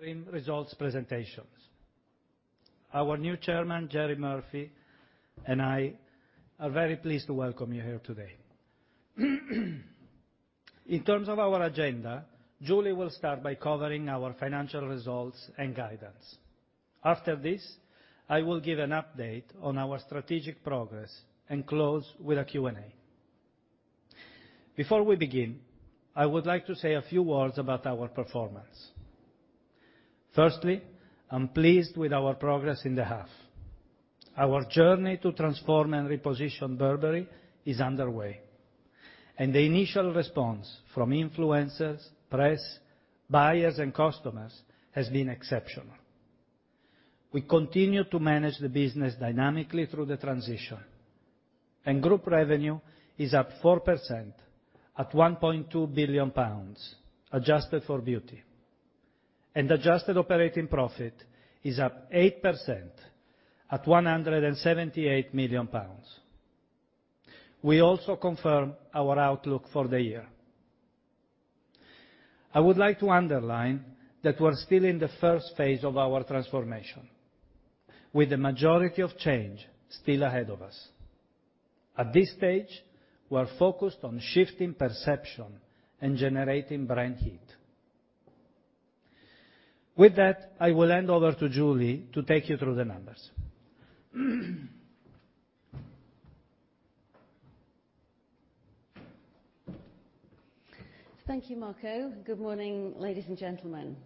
Interim results presentations. Our new Chairman, Gerry Murphy, and I are very pleased to welcome you here today. In terms of our agenda, Julie will start by covering our financial results and guidance. After this, I will give an update on our strategic progress and close with a Q&A. Before we begin, I would like to say a few words about our performance. Firstly, I'm pleased with our progress in the half. Our journey to transform and reposition Burberry is underway, and the initial response from influencers, press, buyers, and customers has been exceptional. We continue to manage the business dynamically through the transition. Group revenue is up 4% at 1.2 billion pounds, adjusted for beauty. Adjusted operating profit is up 8% at 178 million pounds. We also confirm our outlook for the year. I would like to underline that we're still in the first phase of our transformation, with the majority of change still ahead of us. At this stage, we're focused on shifting perception and generating brand heat. With that, I will hand over to Julie to take you through the numbers. Thank you, Marco. Good morning, ladies and gentlemen.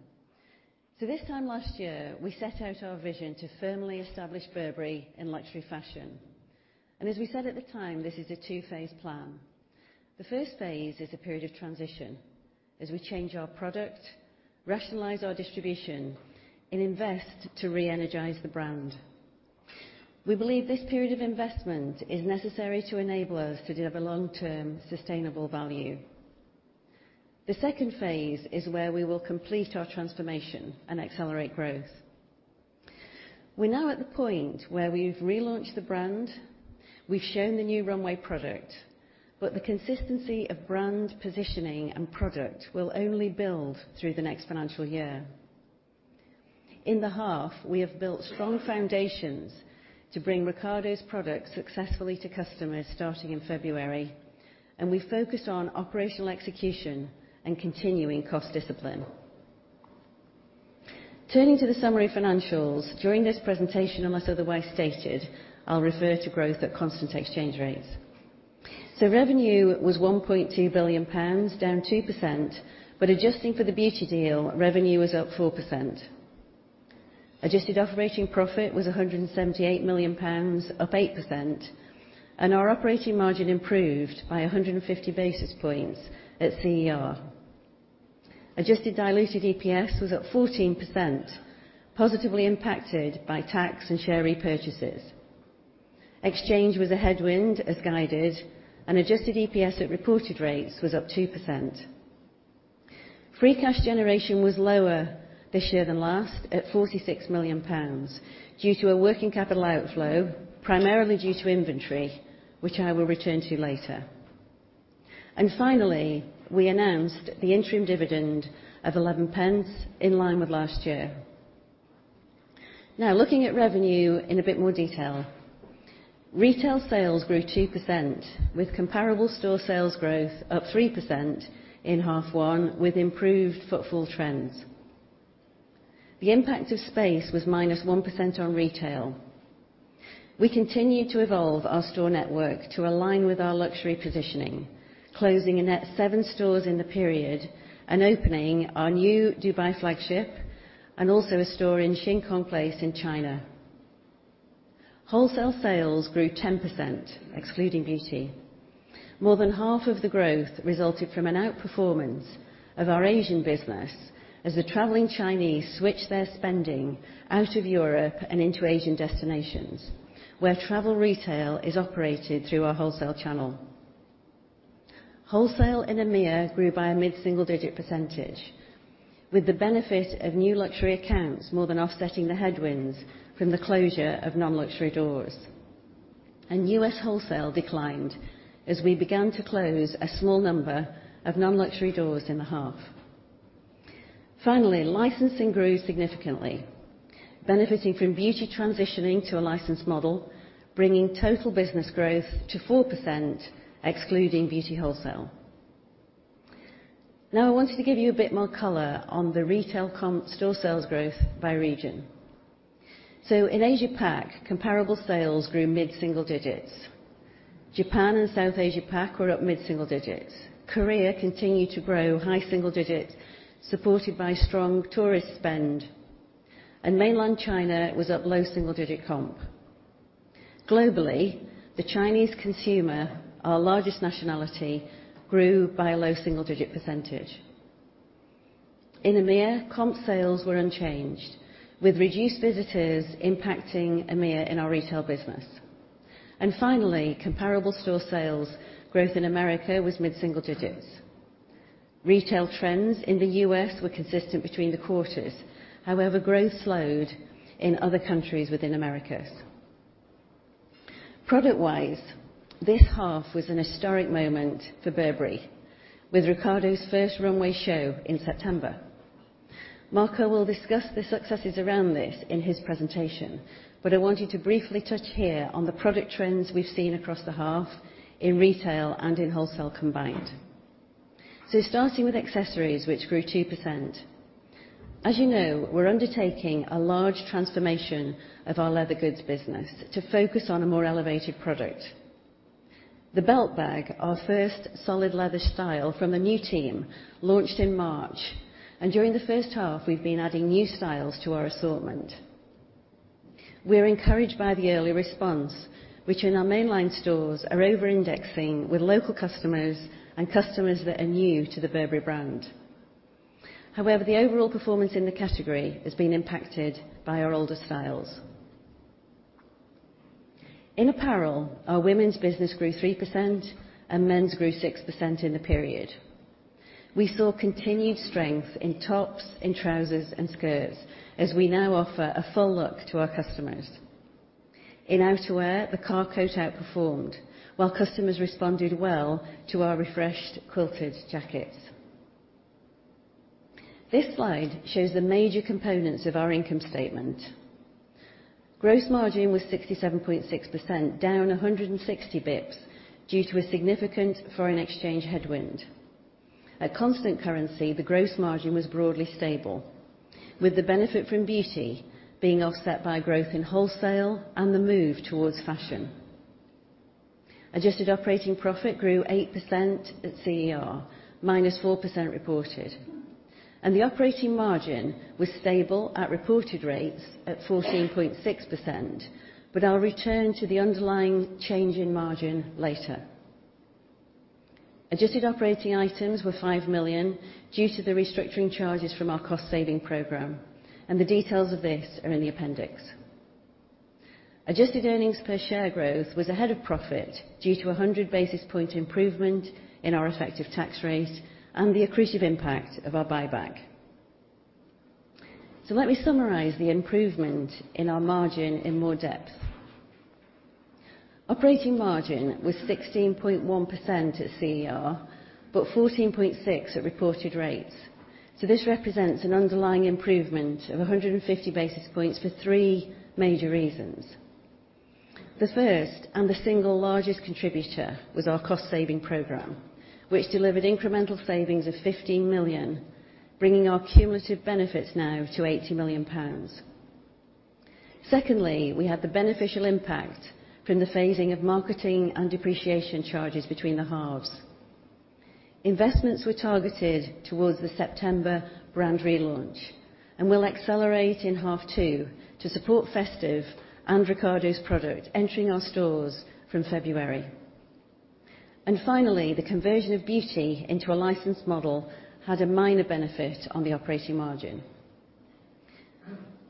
This time last year, we set out our vision to firmly establish Burberry in luxury fashion. As we said at the time, this is a two-phase plan. The first phase is a period of transition as we change our product, rationalize our distribution, and invest to reenergize the brand. We believe this period of investment is necessary to enable us to deliver long-term sustainable value. The second phase is where we will complete our transformation and accelerate growth. We're now at the point where we've relaunched the brand. We've shown the new runway product, but the consistency of brand positioning and product will only build through the next financial year. In the half, we have built strong foundations to bring Riccardo's products successfully to customers starting in February. We focused on operational execution and continuing cost discipline. Turning to the summary financials, during this presentation, unless otherwise stated, I'll refer to growth at constant exchange rates. Revenue was 1.2 billion pounds, down 2%. Adjusting for the beauty deal, revenue was up 4%. Adjusted operating profit was 178 million pounds, up 8%, and our operating margin improved by 150 basis points at CER. Adjusted diluted EPS was up 14%, positively impacted by tax and share repurchases. Exchange was a headwind, as guided, adjusted EPS at reported rates was up 2%. Free cash generation was lower this year than last at 46 million pounds due to a working capital outflow, primarily due to inventory, which I will return to later. Finally, we announced the interim dividend of 0.11, in line with last year. Looking at revenue in a bit more detail. Retail sales grew 2%, with comparable store sales growth up 3% in half one, with improved footfall trends. The impact of space was minus 1% on retail. We continue to evolve our store network to align with our luxury positioning, closing a net seven stores in the period and opening our new Dubai flagship, and also a store in Shin Kong Place in China. Wholesale sales grew 10%, excluding beauty. More than half of the growth resulted from an outperformance of our Asian business as the traveling Chinese switched their spending out of Europe and into Asian destinations, where travel retail is operated through our wholesale channel. Wholesale in EMEIA grew by a mid-single digit percentage, with the benefit of new luxury accounts more than offsetting the headwinds from the closure of non-luxury doors. U.S. wholesale declined as we began to close a small number of non-luxury doors in the half. Finally, licensing grew significantly, benefiting from beauty transitioning to a licensed model, bringing total business growth to 4%, excluding beauty wholesale. I wanted to give you a bit more color on the retail comp store sales growth by region. In Asia Pac, comparable sales grew mid-single digits. Japan and South Asia Pac were up mid-single digits. Korea continued to grow high single digits, supported by strong tourist spend. Mainland China was up low single digit comp. Globally, the Chinese consumer, our largest nationality, grew by a low single-digit percentage. In EMEIA, comp sales were unchanged, with reduced visitors impacting EMEIA in our retail business. Finally, comparable store sales growth in America was mid-single digits. Retail trends in the U.S. were consistent between the quarters. However, growth slowed in other countries within Americas. Product-wise, this half was an historic moment for Burberry, with Riccardo's first runway show in September. Marco will discuss the successes around this in his presentation, but I wanted to briefly touch here on the product trends we've seen across the half in retail and in wholesale combined. Starting with accessories, which grew 2%. As you know, we're undertaking a large transformation of our leather goods business to focus on a more elevated product. The belt bag, our first solid leather style from the new team, launched in March, and during the first half, we've been adding new styles to our assortment. We're encouraged by the early response, which in our mainline stores are over-indexing with local customers and customers that are new to the Burberry brand. However, the overall performance in the category has been impacted by our older styles. In apparel, our women's business grew 3% and men's grew 6% in the period. We saw continued strength in tops, in trousers, and skirts, as we now offer a full look to our customers. In outerwear, the car coat outperformed, while customers responded well to our refreshed quilted jackets. This slide shows the major components of our income statement. Gross margin was 67.6%, down 160 basis points due to a significant foreign exchange headwind. At constant currency, the gross margin was broadly stable, with the benefit from beauty being offset by growth in wholesale and the move towards fashion. Adjusted operating profit grew 8% at CER, -4% reported. The operating margin was stable at reported rates at 14.6%. I'll return to the underlying change in margin later. Adjusted operating items were 5 million due to the restructuring charges from our cost-saving program, and the details of this are in the appendix. Adjusted earnings per share growth was ahead of profit due to 100 basis point improvement in our effective tax rate and the accretive impact of our buyback. Let me summarize the improvement in our margin in more depth. Operating margin was 16.1% at CER, but 14.6% at reported rates. This represents an underlying improvement of 150 basis points for three major reasons. The first, and the single largest contributor, was our cost-saving program, which delivered incremental savings of 15 million, bringing our cumulative benefits now to 80 million pounds. Secondly, we had the beneficial impact from the phasing of marketing and depreciation charges between the halves. Investments were targeted towards the September brand relaunch and will accelerate in half two to support festive and Riccardo's product entering our stores from February. Finally, the conversion of beauty into a licensed model had a minor benefit on the operating margin.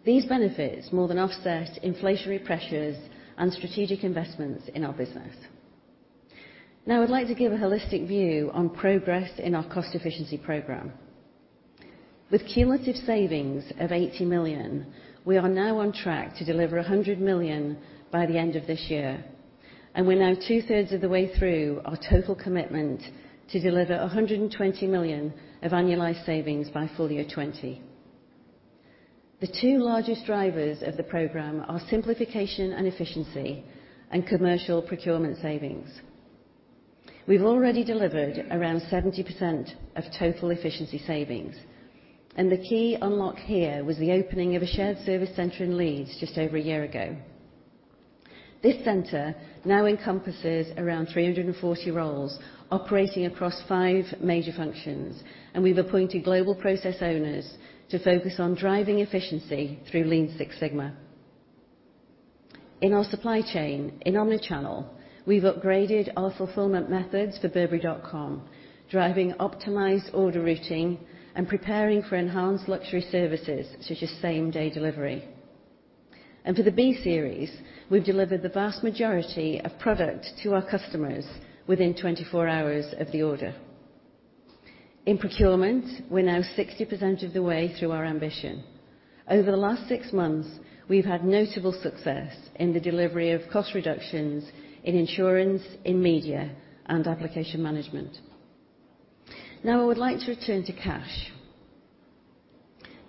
These benefits more than offset inflationary pressures and strategic investments in our business. I'd like to give a holistic view on progress in our cost efficiency program. With cumulative savings of 80 million, we are now on track to deliver 100 million by the end of this year. We're now two-thirds of the way through our total commitment to deliver 120 million of annualized savings by FY 2020. The two largest drivers of the program are simplification and efficiency and commercial procurement savings. We've already delivered around 70% of total efficiency savings. The key unlock here was the opening of a shared service center in Leeds just over a year ago. This center now encompasses around 340 roles operating across five major functions. We've appointed global process owners to focus on driving efficiency through Lean Six Sigma. In our supply chain, in omnichannel, we've upgraded our fulfillment methods for burberry.com, driving optimized order routing and preparing for enhanced luxury services such as same-day delivery. For the B Series, we've delivered the vast majority of product to our customers within 24 hours of the order. In procurement, we're now 60% of the way through our ambition. Over the last six months, we've had notable success in the delivery of cost reductions in insurance, in media, and application management. I would like to return to cash.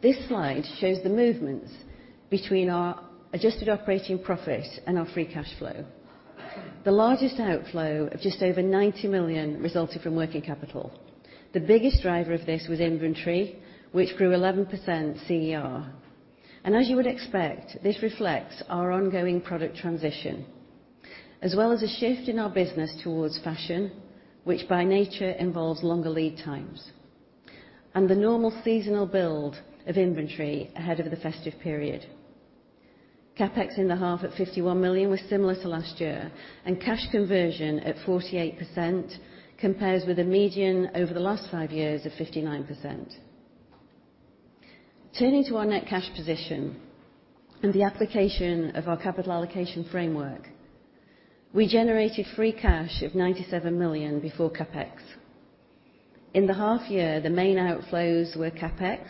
This slide shows the movements between our adjusted operating profit and our free cash flow. The largest outflow of just over 90 million resulted from working capital. The biggest driver of this was inventory, which grew 11% CER. As you would expect, this reflects our ongoing product transition, as well as a shift in our business towards fashion, which by nature involves longer lead times, and the normal seasonal build of inventory ahead of the festive period. CapEx in the half at 51 million was similar to last year. Cash conversion at 48% compares with a median over the last five years of 59%. Turning to our net cash position and the application of our capital allocation framework, we generated free cash of 97 million before CapEx. In the half year, the main outflows were CapEx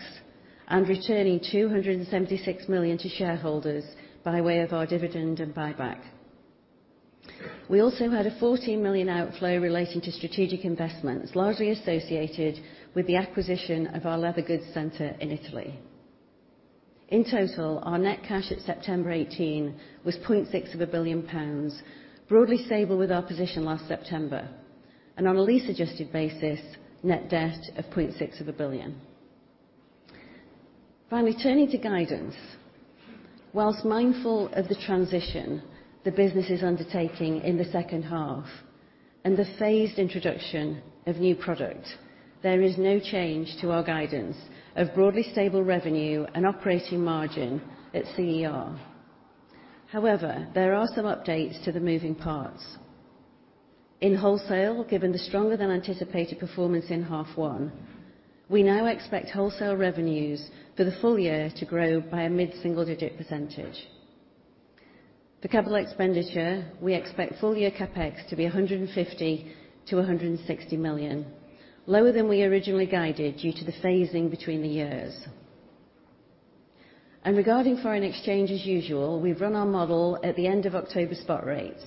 and returning 276 million to shareholders by way of our dividend and buyback. We also had a 14 million outflow relating to strategic investments, largely associated with the acquisition of our leather goods center in Italy. In total, our net cash at September 2018 was 0.6 billion pounds, broadly stable with our position last September. On a lease adjusted basis, net debt of 0.6 billion. Finally, turning to guidance. Whilst mindful of the transition the business is undertaking in the second half and the phased introduction of new product, there is no change to our guidance of broadly stable revenue and operating margin at CER. However, there are some updates to the moving parts. In wholesale, given the stronger than anticipated performance in half one, we now expect wholesale revenues for the full year to grow by a mid-single-digit percentage. For capital expenditure, we expect full-year CapEx to be 150 million-160 million, lower than we originally guided due to the phasing between the years. Regarding foreign exchange as usual, we've run our model at the end of October spot rates.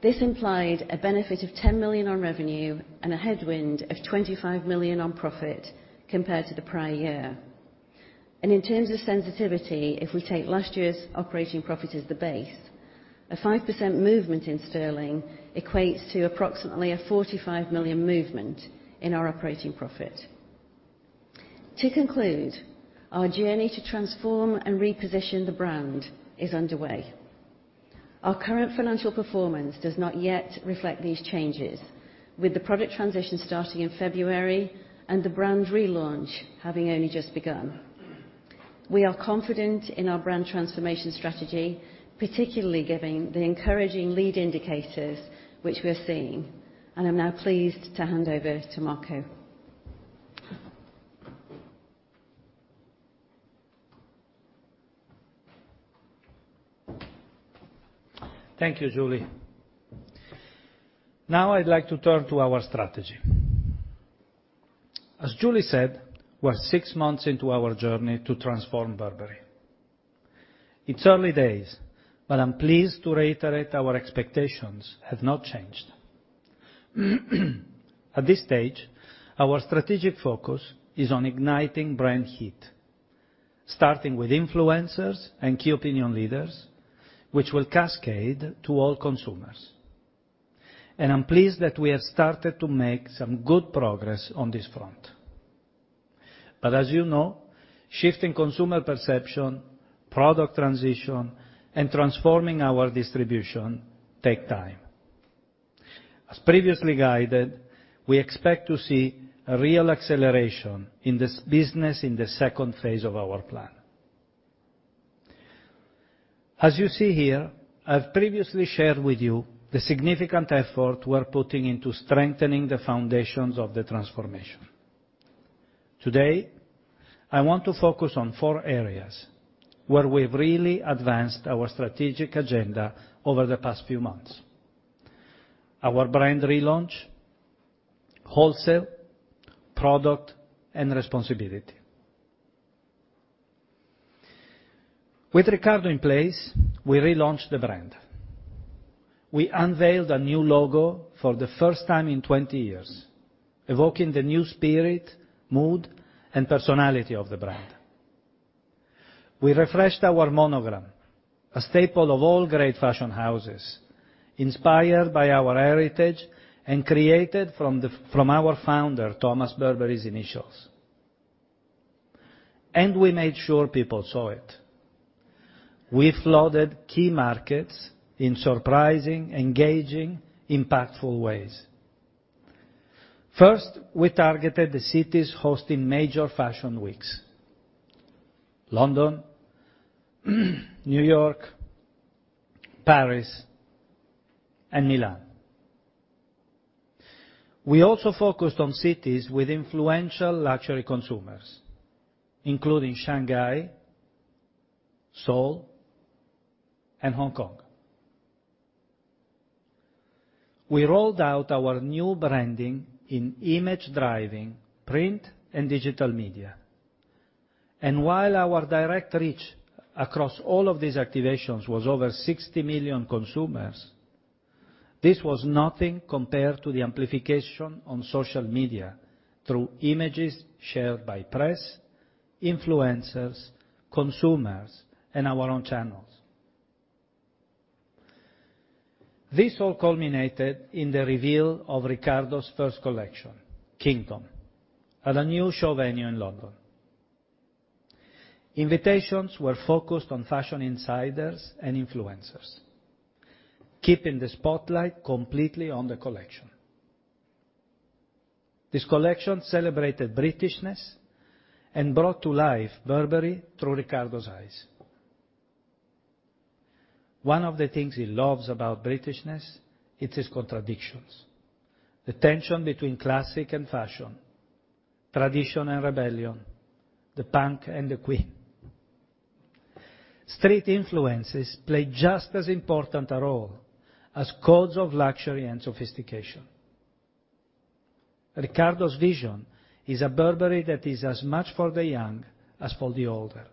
This implied a benefit of 10 million on revenue and a headwind of 25 million on profit compared to the prior year. In terms of sensitivity, if we take last year's operating profit as the base, a 5% movement in sterling equates to approximately a 45 million movement in our operating profit. To conclude, our journey to transform and reposition the brand is underway. Our current financial performance does not yet reflect these changes with the product transition starting in February and the brand relaunch having only just begun. We are confident in our brand transformation strategy, particularly given the encouraging lead indicators which we're seeing, and I'm now pleased to hand over to Marco. Thank you, Julie. Now I'd like to turn to our strategy. As Julie said, we're six months into our journey to transform Burberry. It's early days, but I'm pleased to reiterate our expectations have not changed. At this stage, our strategic focus is on igniting brand heat, starting with influencers and key opinion leaders, which will cascade to all consumers. I'm pleased that we have started to make some good progress on this front. As you know, shifting consumer perception, product transition, and transforming our distribution take time. As previously guided, we expect to see a real acceleration in this business in the second phase of our plan. As you see here, I've previously shared with you the significant effort we're putting into strengthening the foundations of the transformation. Today, I want to focus on four areas where we've really advanced our strategic agenda over the past few months. Our brand relaunch, wholesale, product, and responsibility. With Riccardo in place, we relaunched the brand. We unveiled a new logo for the first time in 20 years, evoking the new spirit, mood, and personality of the brand. We refreshed our monogram, a staple of all great fashion houses, inspired by our heritage and created from our founder, Thomas Burberry's initials. We made sure people saw it. We flooded key markets in surprising, engaging, impactful ways. First, we targeted the cities hosting major fashion weeks, London, New York, Paris, and Milan. We also focused on cities with influential luxury consumers, including Shanghai, Seoul, and Hong Kong. We rolled out our new branding in image driving, print, and digital media. While our direct reach across all of these activations was over 60 million consumers, this was nothing compared to the amplification on social media through images shared by press, influencers, consumers, and our own channels. This all culminated in the reveal of Riccardo's first collection, Kingdom, at a new show venue in London. Invitations were focused on fashion insiders and influencers, keeping the spotlight completely on the collection. This collection celebrated Britishness and brought to life Burberry through Riccardo's eyes. One of the things he loves about Britishness, it is contradictions. The tension between classic and fashion, tradition and rebellion, the punk and the queen street influences play just as important a role as codes of luxury and sophistication. Riccardo's vision is a Burberry that is as much for the young as for the older.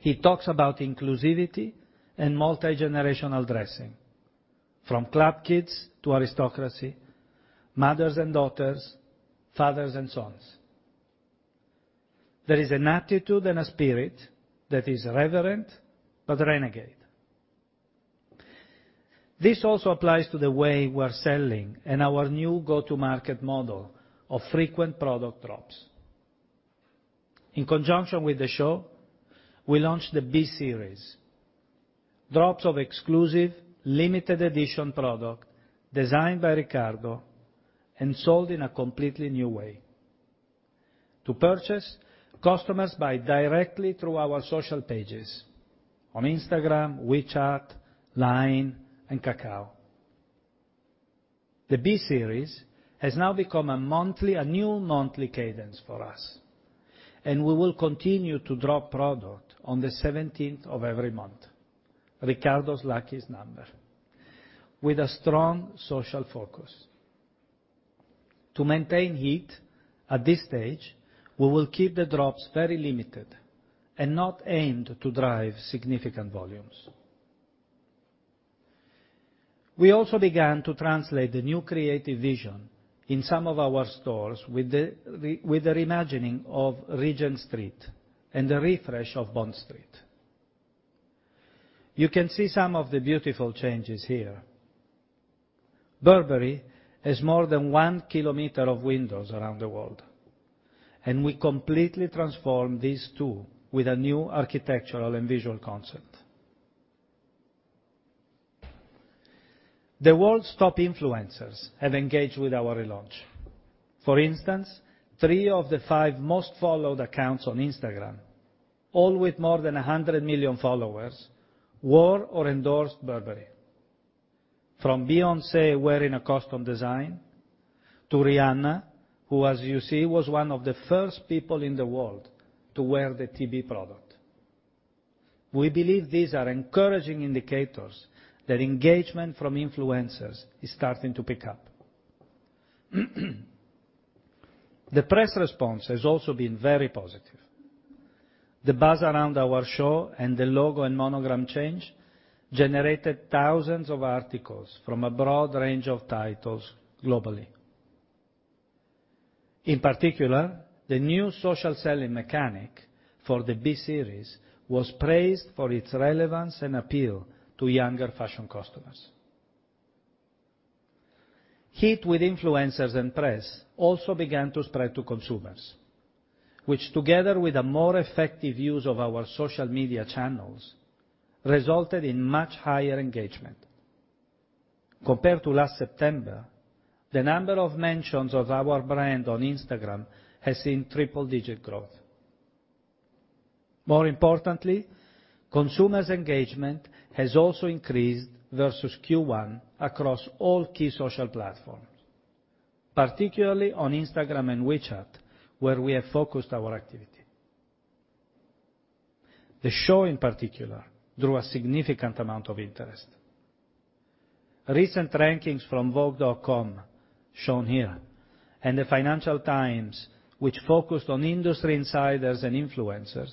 He talks about inclusivity and multi-generational dressing, from club kids to aristocracy, mothers and daughters, fathers and sons. There is an attitude and a spirit that is reverent but renegade. This also applies to the way we're selling and our new go-to-market model of frequent product drops. In conjunction with the show, we launched the B Series, drops of exclusive, limited edition product designed by Riccardo and sold in a completely new way. To purchase, customers buy directly through our social pages on Instagram, WeChat, Line, and Kakao. The B Series has now become a new monthly cadence for us, and we will continue to drop product on the 17th of every month, Riccardo's luckiest number, with a strong social focus. To maintain heat at this stage, we will keep the drops very limited and not aimed to drive significant volumes. We also began to translate the new creative vision in some of our stores with the reimagining of Regent Street and the refresh of Bond Street. You can see some of the beautiful changes here. Burberry has more than 1 km of windows around the world, we completely transformed these, too, with a new architectural and visual concept. The world's top influencers have engaged with our relaunch. For instance, three of the five most followed accounts on Instagram, all with more than 100 million followers, wore or endorsed Burberry. From Beyoncé wearing a custom design to Rihanna, who, as you see, was one of the first people in the world to wear the TB product. We believe these are encouraging indicators that engagement from influencers is starting to pick up. The press response has also been very positive. The buzz around our show and the logo and monogram change generated thousands of articles from a broad range of titles globally. In particular, the new social selling mechanic for the B Series was praised for its relevance and appeal to younger fashion customers. Heat with influencers and press also began to spread to consumers, which together with a more effective use of our social media channels, resulted in much higher engagement. Compared to last September, the number of mentions of our brand on Instagram has seen triple-digit growth. More importantly, consumers' engagement has also increased versus Q1 across all key social platforms, particularly on Instagram and WeChat, where we have focused our activity. The show, in particular, drew a significant amount of interest. Recent rankings from vogue.com, shown here, and the Financial Times, which focused on industry insiders and influencers,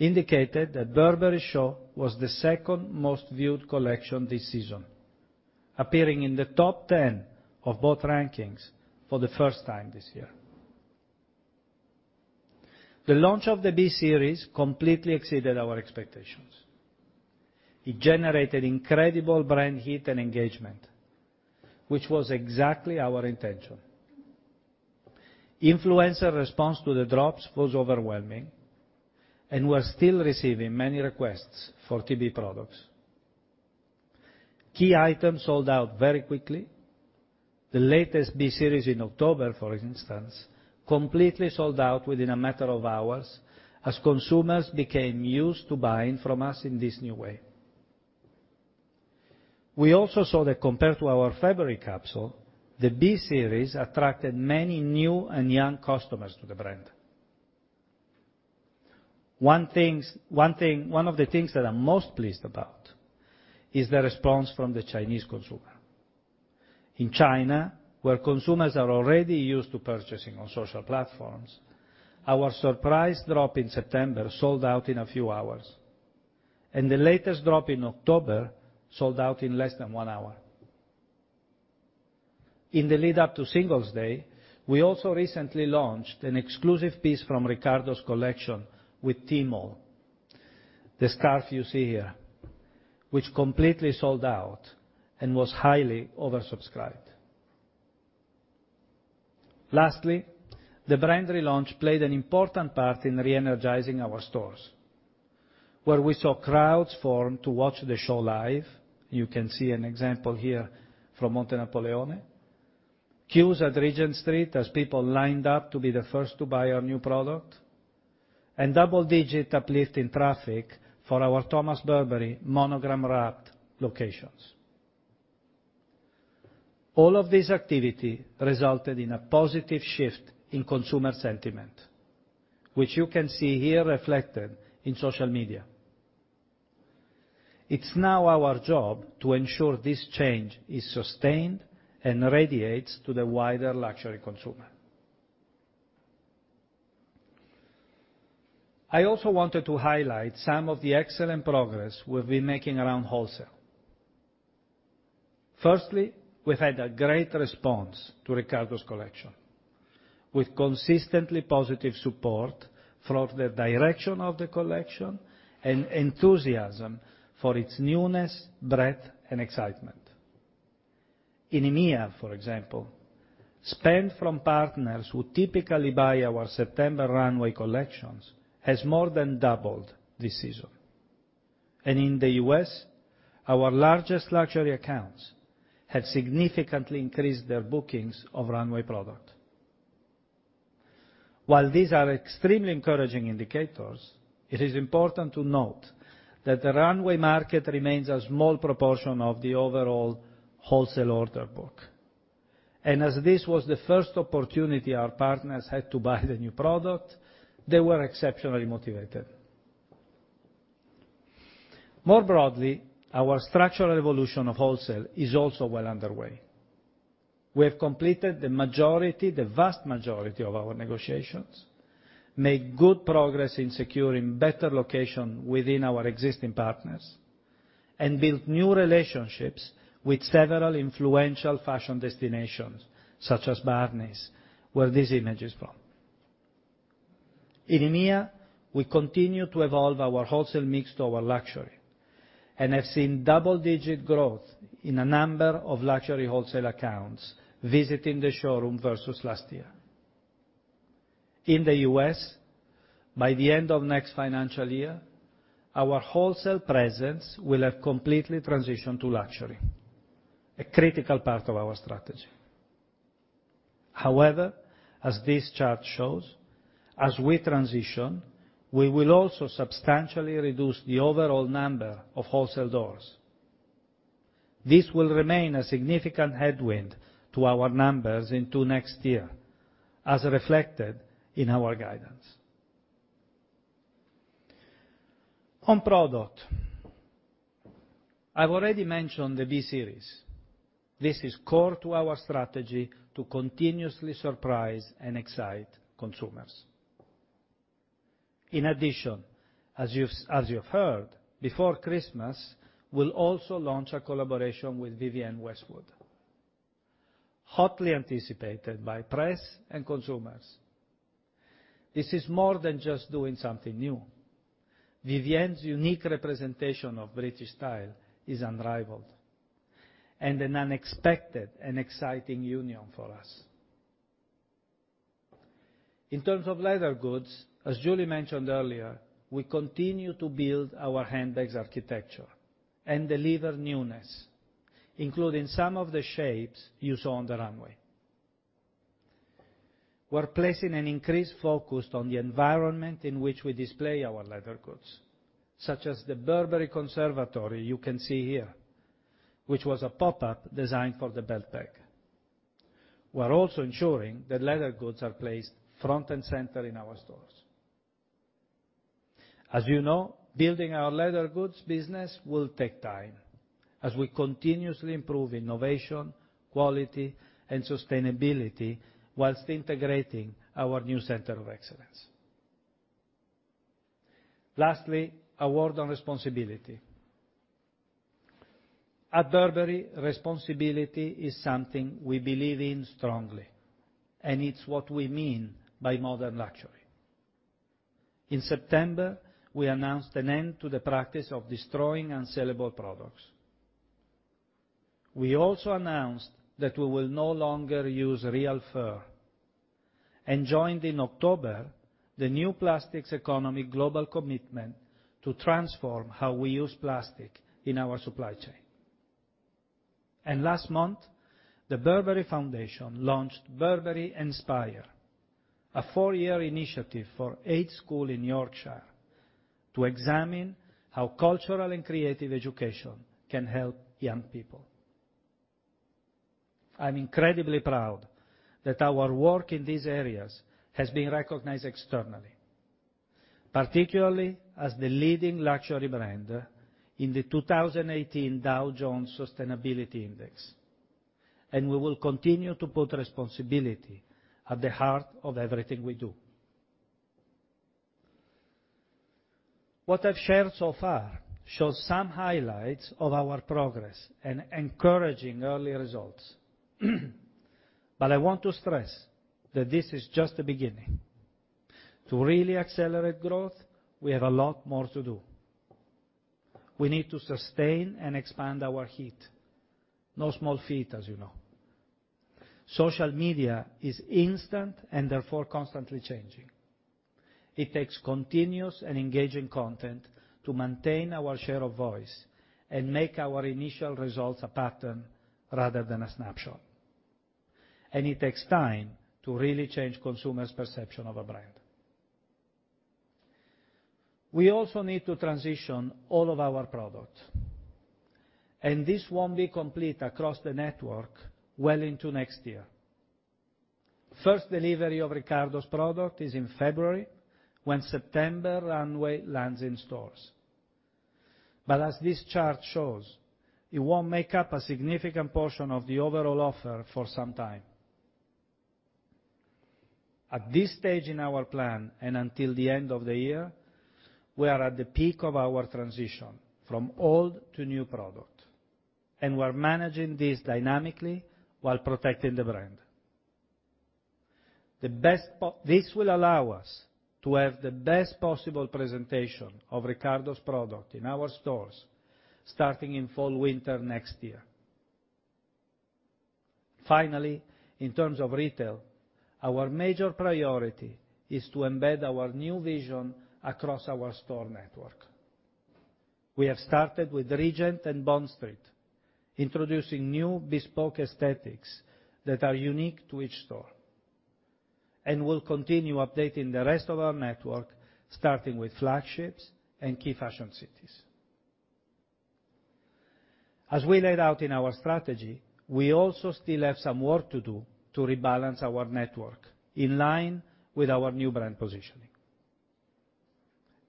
indicated that Burberry show was the second most viewed collection this season, appearing in the top 10 of both rankings for the first time this year. The launch of the B Series completely exceeded our expectations. It generated incredible brand heat and engagement, which was exactly our intention. Influencer response to the drops was overwhelming, and we're still receiving many requests for TB products. Key items sold out very quickly. The latest B Series in October, for instance, completely sold out within a matter of hours as consumers became used to buying from us in this new way. We also saw that compared to our February capsule, the B Series attracted many new and young customers to the brand. One of the things that I'm most pleased about is the response from the Chinese consumer. In China, where consumers are already used to purchasing on social platforms, our surprise drop in September sold out in a few hours, and the latest drop in October sold out in less than one hour. In the lead up to Singles' Day, we also recently launched an exclusive piece from Riccardo's collection with Tmall, the scarf you see here, which completely sold out and was highly oversubscribed. The brand relaunch played an important part in re-energizing our stores, where we saw crowds form to watch the show live. You can see an example here from Montenapoleone. Queues at Regent Street, as people lined up to be the first to buy our new product, and double-digit uplift in traffic for our Thomas Burberry monogram wrapped locations. All of this activity resulted in a positive shift in consumer sentiment, which you can see here reflected in social media. It's now our job to ensure this change is sustained and radiates to the wider luxury consumer. I also wanted to highlight some of the excellent progress we've been making around wholesale. We've had a great response to Riccardo's collection, with consistently positive support throughout the direction of the collection and enthusiasm for its newness, breadth, and excitement. In EMEIA, for example, spend from partners who typically buy our September runway collections has more than doubled this season. In the U.S., our largest luxury accounts have significantly increased their bookings of runway product. While these are extremely encouraging indicators, it is important to note that the runway market remains a small proportion of the overall wholesale order book. As this was the first opportunity our partners had to buy the new product, they were exceptionally motivated. More broadly, our structural evolution of wholesale is also well underway. We have completed the vast majority of our negotiations, made good progress in securing better location within our existing partners, and built new relationships with several influential fashion destinations, such as Barneys, where this image is from. In EMEIA, we continue to evolve our wholesale mix toward luxury and have seen double-digit growth in a number of luxury wholesale accounts visiting the showroom versus last year. In the U.S., by the end of next financial year, our wholesale presence will have completely transitioned to luxury, a critical part of our strategy. As this chart shows, as we transition, we will also substantially reduce the overall number of wholesale doors. This will remain a significant headwind to our numbers into next year, as reflected in our guidance. On product, I've already mentioned the B Series. This is core to our strategy to continuously surprise and excite consumers. In addition, as you've heard, before Christmas, we will also launch a collaboration with Vivienne Westwood, hotly anticipated by press and consumers. This is more than just doing something new. Vivienne's unique representation of British style is unrivaled and an unexpected and exciting union for us. In terms of leather goods, as Julie mentioned earlier, we continue to build our handbags architecture and deliver newness, including some of the shapes you saw on the runway. We are placing an increased focus on the environment in which we display our leather goods, such as the Burberry Conservatory you can see here, which was a pop-up designed for the belt bag. We are also ensuring that leather goods are placed front and center in our stores. As you know, building our leather goods business will take time as we continuously improve innovation, quality, and sustainability whilst integrating our new center of excellence. A word on responsibility. At Burberry, responsibility is something we believe in strongly, and it is what we mean by modern luxury. In September, we announced an end to the practice of destroying unsellable products. We also announced that we will no longer use real fur, joined in October the New Plastics Economy Global Commitment to transform how we use plastic in our supply chain. Last month, the Burberry Foundation launched Burberry Inspire, a four-year initiative for eight schools in Yorkshire to examine how cultural and creative education can help young people. I am incredibly proud that our work in these areas has been recognized externally, particularly as the leading luxury brand in the 2018 Dow Jones Sustainability Index, we will continue to put responsibility at the heart of everything we do. What I have shared so far shows some highlights of our progress and encouraging early results. I want to stress that this is just the beginning. To really accelerate growth, we have a lot more to do. We need to sustain and expand our heat. No small feat, as you know. Social media is instant and therefore constantly changing. It takes continuous and engaging content to maintain our share of voice and make our initial results a pattern rather than a snapshot. It takes time to really change consumers' perception of a brand. We also need to transition all of our product, and this won't be complete across the network well into next year. First delivery of Riccardo's product is in February, when September runway lands in stores. As this chart shows, it won't make up a significant portion of the overall offer for some time. At this stage in our plan, and until the end of the year, we are at the peak of our transition from old to new product, and we're managing this dynamically while protecting the brand. This will allow us to have the best possible presentation of Riccardo's product in our stores, starting in fall/winter next year. Finally, in terms of retail, our major priority is to embed our new vision across our store network. We have started with Regent and Bond Street, introducing new bespoke aesthetics that are unique to each store, and will continue updating the rest of our network, starting with flagships and key fashion cities. As we laid out in our strategy, we also still have some work to do to rebalance our network in line with our new brand positioning.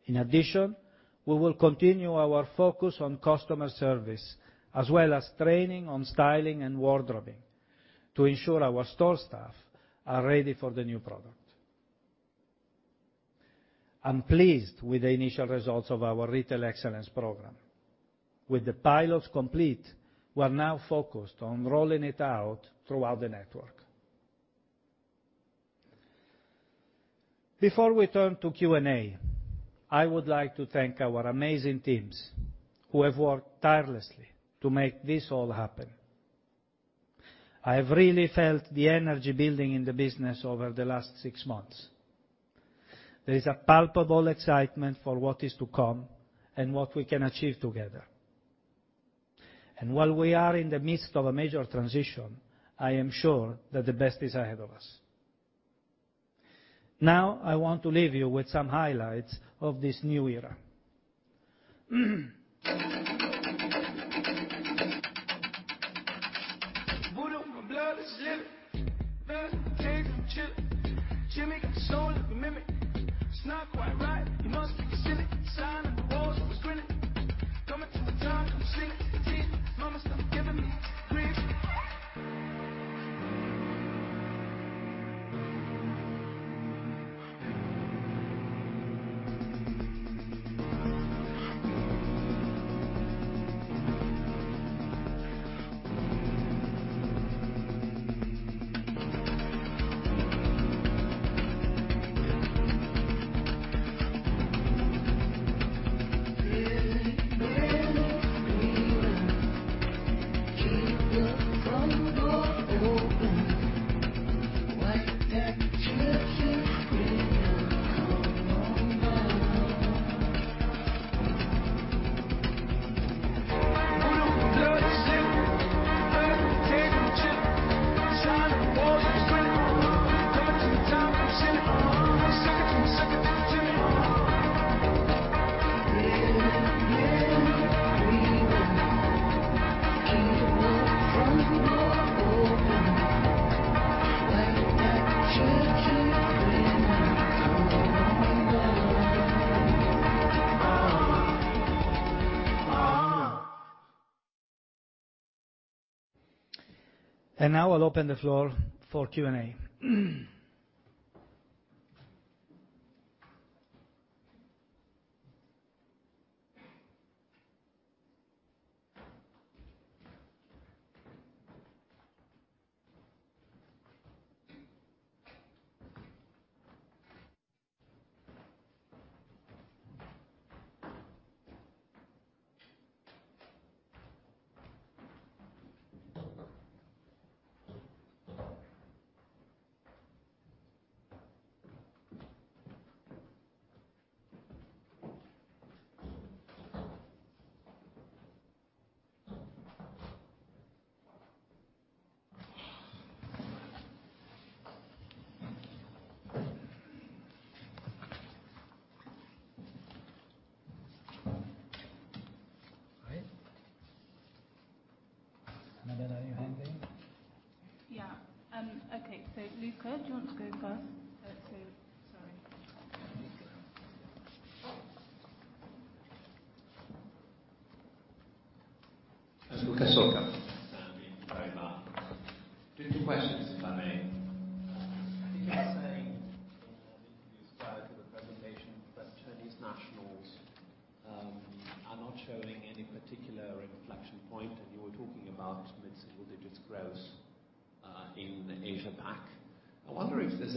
In addition, we will continue our focus on customer service as well as training on styling and wardrobing to ensure our store staff are ready for the new product. I'm pleased with the initial results of our retail excellence program. With the pilots complete, we're now focused on rolling it out throughout the network. Before we turn to Q&A, I would like to thank our amazing teams who have worked tirelessly to make this all happen. I have really felt the energy building in the business over the last six months. There is a palpable excitement for what is to come and what we can achieve together. While we are in the midst of a major transition, I am sure that the best is ahead of us. I want to leave you with some highlights of this new era.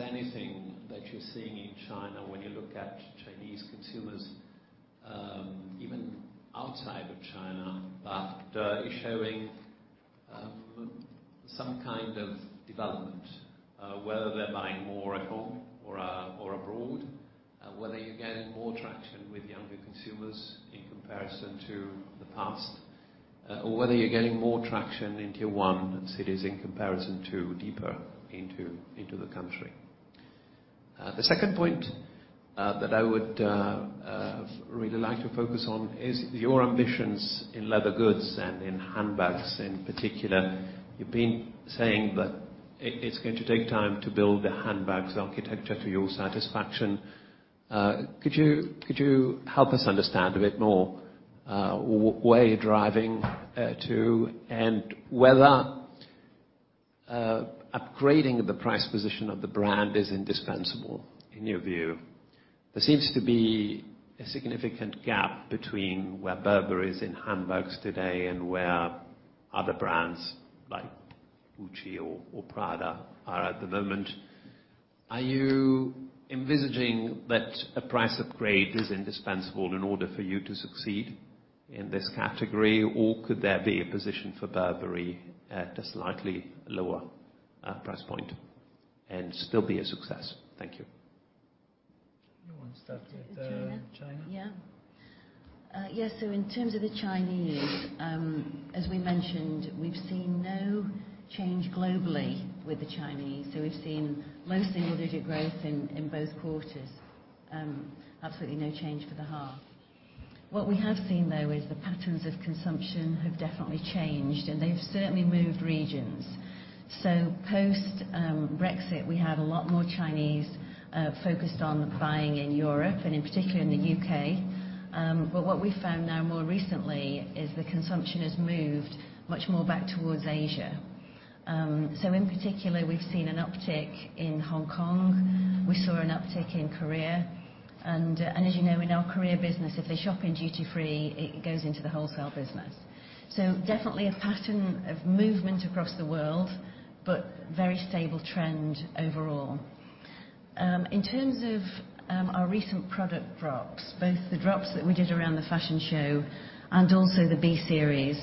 anything that you're seeing in China when you look at Chinese consumers, even outside of China, that is showing some kind of development, whether they're buying more at home or abroad, whether you're getting more traction with younger consumers in comparison to the past. Or whether you're getting more traction in Tier 1 cities in comparison to deeper into the country. The second point that I would really like to focus on is your ambitions in leather goods and in handbags, in particular. You've been saying that it's going to take time to build the handbags architecture to your satisfaction. Could you help us understand a bit more where you're driving to and whether upgrading the price position of the brand is indispensable in your view? There seems to be a significant gap between where Burberry is in handbags today and where other brands like Gucci or Prada are at the moment. Are you envisaging that a price upgrade is indispensable in order for you to succeed in this category, or could there be a position for Burberry at a slightly lower price point and still be a success? Thank you. You want to start with China? China. In terms of the Chinese, as we mentioned, we've seen no change globally with the Chinese. We've seen low single-digit growth in both quarters. Absolutely no change for the half. We have seen, though, the patterns of consumption have definitely changed, and they've certainly moved regions. Post-Brexit, we had a lot more Chinese focused on buying in Europe, and in particular in the U.K. We found now more recently the consumption has moved much more back towards Asia. In particular, we've seen an uptick in Hong Kong. We saw an uptick in Korea. As you know, in our Korea business, if they shop in duty free, it goes into the wholesale business. Definitely a pattern of movement across the world, but very stable trend overall. In terms of our recent product drops, both the drops that we did around the fashion show and also the B Series,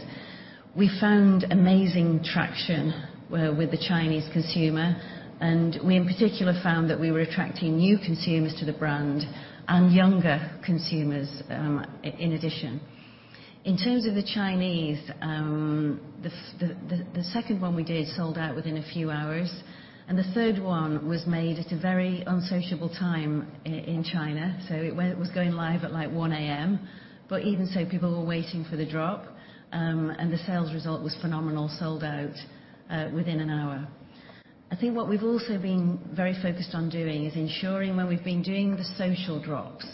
we found amazing traction with the Chinese consumer. We, in particular, found that we were attracting new consumers to the brand and younger consumers, in addition. In terms of the Chinese, the second one we did sold out within a few hours. The third one was made at a very unsociable time in China. It was going live at 1:00 A.M. Even so, people were waiting for the drop, and the sales result was phenomenal. Sold out within an hour. I think what we've also been very focused on doing is ensuring when we've been doing the social drops,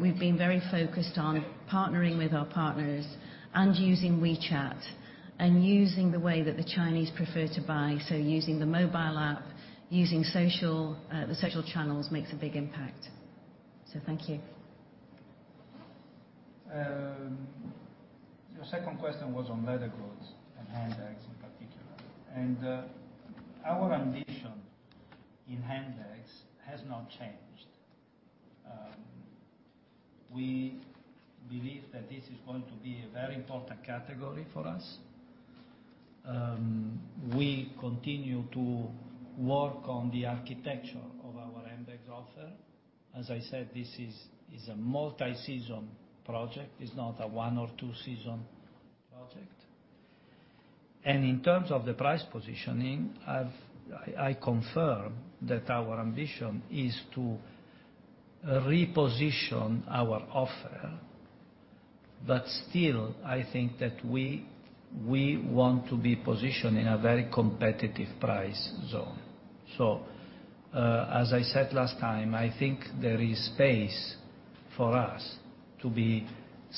we've been very focused on partnering with our partners and using WeChat and using the way that the Chinese prefer to buy. Using the mobile app, using the social channels makes a big impact. Thank you. Your second question was on leather goods and handbags in particular. Our ambition in handbags has not changed. We believe that this is going to be a very important category for us. We continue to work on the architecture of our handbags offer. As I said, this is a multi-season project. It is not a one or two season project. In terms of the price positioning, I confirm that our ambition is to reposition our offer. Still, I think that we want to be positioned in a very competitive price zone. As I said last time, I think there is space for us to be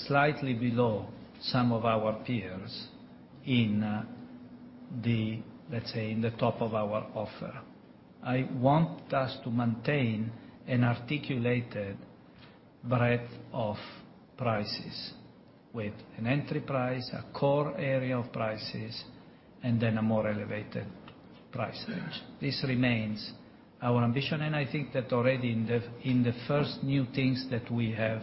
slightly below some of our peers, let's say, in the top of our offer. I want us to maintain an articulated breadth of prices with an entry price, a core area of prices, and then a more elevated price range. This remains our ambition, and I think that already in the first new things that we have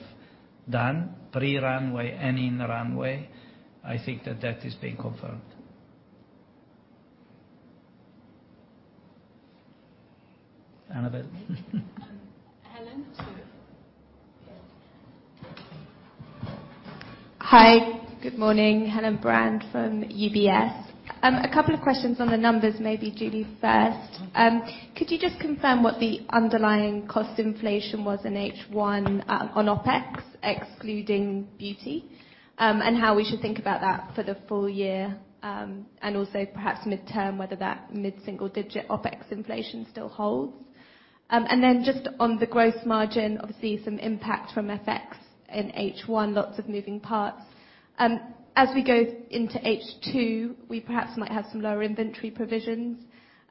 done pre-runway and in runway, I think that that is being confirmed. Helen? Helen? Yes. Hi, good morning. Helen Brand from UBS. A couple of questions on the numbers, maybe Julie first. Could you just confirm what the underlying cost inflation was in H1 on OpEx, excluding beauty? How we should think about that for the full year, and also perhaps midterm, whether that mid-single-digit OpEx inflation still holds? Just on the gross margin, obviously some impact from FX in H1, lots of moving parts. As we go into H2, we perhaps might have some lower inventory provisions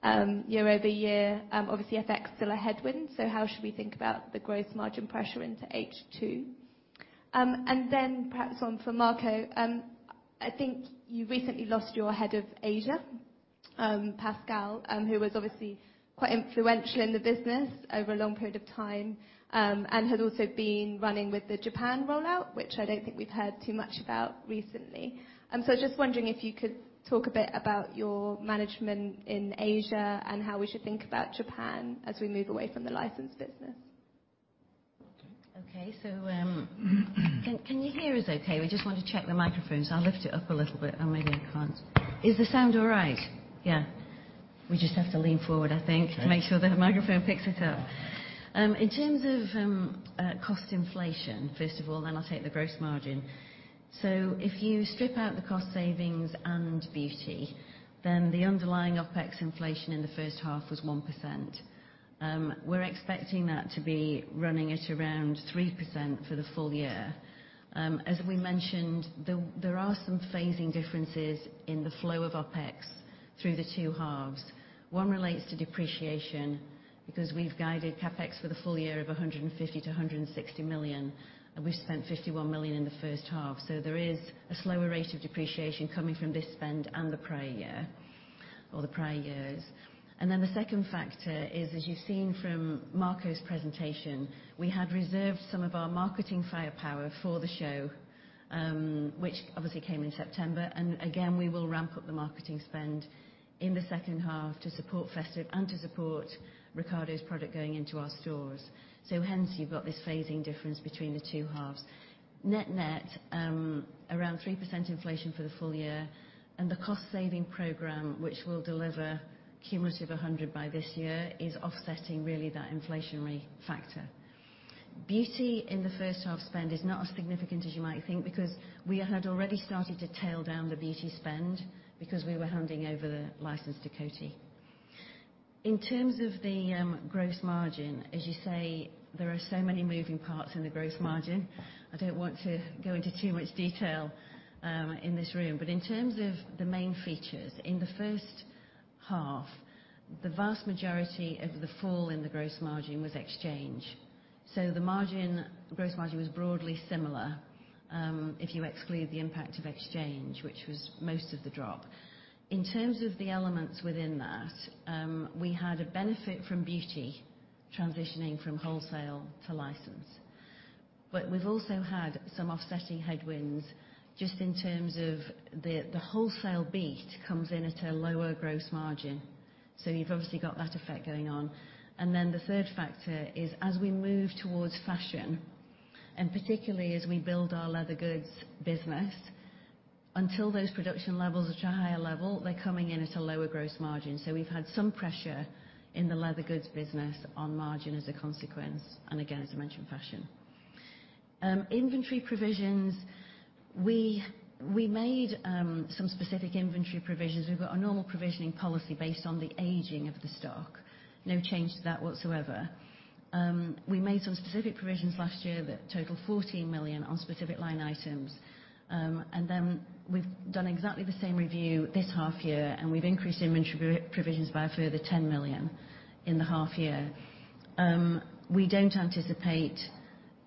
year-over-year. Obviously, FX still a headwind, how should we think about the gross margin pressure into H2? Perhaps for Marco, I think you recently lost your head of Asia, Pascal, who was obviously quite influential in the business over a long period of time. Had also been running with the Japan rollout, which I don't think we've heard too much about recently. Just wondering if you could talk a bit about your management in Asia and how we should think about Japan as we move away from the licensed business. Okay. Can you hear us okay? We just want to check the microphone, so I'll lift it up a little bit, or maybe I can't. Is the sound all right? We just have to lean forward, I think, to make sure that the microphone picks it up. In terms of cost inflation, first of all, I'll take the gross margin. If you strip out the cost savings and beauty, the underlying OpEx inflation in the first half was 1%. We're expecting that to be running at around 3% for the full year. As we mentioned, there are some phasing differences in the flow of OpEx through the two halves. One relates to depreciation because we've guided CapEx for the full year of 150 million-160 million, and we've spent 51 million in the first half. There is a slower rate of depreciation coming from this spend and the prior year, or the prior years. The second factor is, as you've seen from Marco's presentation, we had reserved some of our marketing firepower for the show, which obviously came in September. We will ramp up the marketing spend in the second half to support festive and to support Riccardo's product going into our stores. Hence, you've got this phasing difference between the two halves. Net net, around 3% inflation for the full year. The cost-saving program, which will deliver cumulative 100 million by this year, is offsetting really that inflationary factor. Beauty in the first half spend is not as significant as you might think, because we had already started to tail down the beauty spend because we were handing over the license to Coty. In terms of the gross margin, as you say, there are so many moving parts in the gross margin. I don't want to go into too much detail in this room. In terms of the main features, in the first half, the vast majority of the fall in the gross margin was exchange. The gross margin was broadly similar, if you exclude the impact of exchange, which was most of the drop. In terms of the elements within that, we had a benefit from beauty transitioning from wholesale to license. We've also had some offsetting headwinds just in terms of the wholesale beat comes in at a lower gross margin. You've obviously got that effect going on. The third factor is as we move towards fashion, and particularly as we build our leather goods business, until those production levels are to a higher level, they're coming in at a lower gross margin. We've had some pressure in the leather goods business on margin as a consequence, and again, as I mentioned, fashion. Inventory provisions. We made some specific inventory provisions. We've got a normal provisioning policy based on the aging of the stock. No change to that whatsoever. We made some specific provisions last year that total 14 million on specific line items. We've done exactly the same review this half year. We've increased inventory provisions by a further 10 million in the half year. We don't anticipate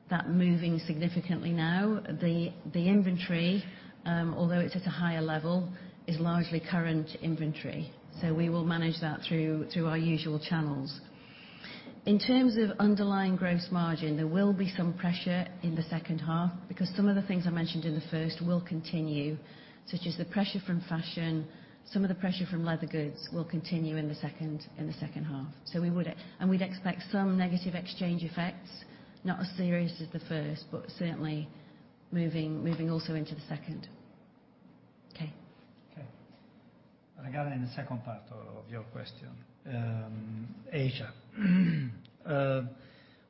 that moving significantly now. The inventory, although it's at a higher level, is largely current inventory. We will manage that through our usual channels. In terms of underlying gross margin, there will be some pressure in the second half because some of the things I mentioned in the first will continue, such as the pressure from fashion, some of the pressure from leather goods will continue in the second half. We would expect some negative exchange effects, not as serious as the first, but certainly moving also into the second. Okay. Okay. Regarding the second part of your question, Asia.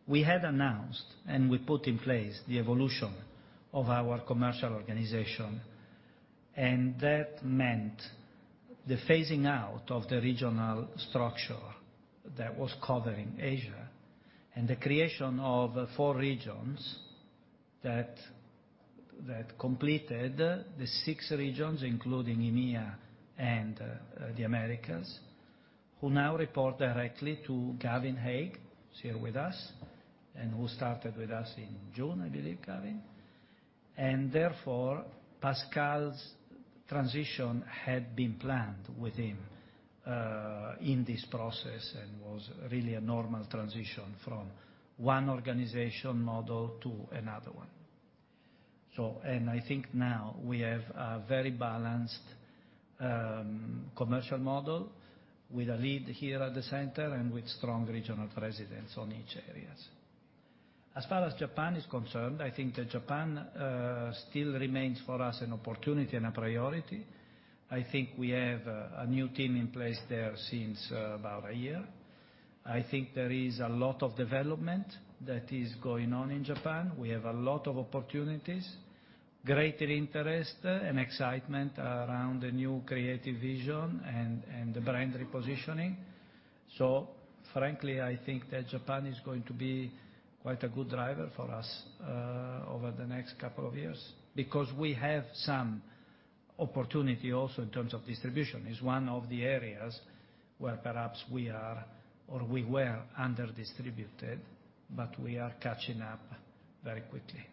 We had announced and we put in place the evolution of our commercial organization, and that meant the phasing out of the regional structure that was covering Asia and the creation of four regions that completed the six regions, including EMEIA and the Americas, who now report directly to Gavin Haig, who's here with us, and who started with us in June, I believe, Gavin. Therefore, Pascal's transition had been planned with him, in this process and was really a normal transition from one organization model to another one. I think now we have a very balanced commercial model with a lead here at the center and with strong regional presidents on each areas. As far as Japan is concerned, I think that Japan still remains for us an opportunity and a priority. I think we have a new team in place there since about a year. I think there is a lot of development that is going on in Japan. We have a lot of opportunities, greater interest and excitement around the new creative vision and the brand repositioning. Frankly, I think that Japan is going to be quite a good driver for us over the next couple of years because we have some opportunity also in terms of distribution. It's one of the areas where perhaps we are, or we were under-distributed, but we are catching up very quickly.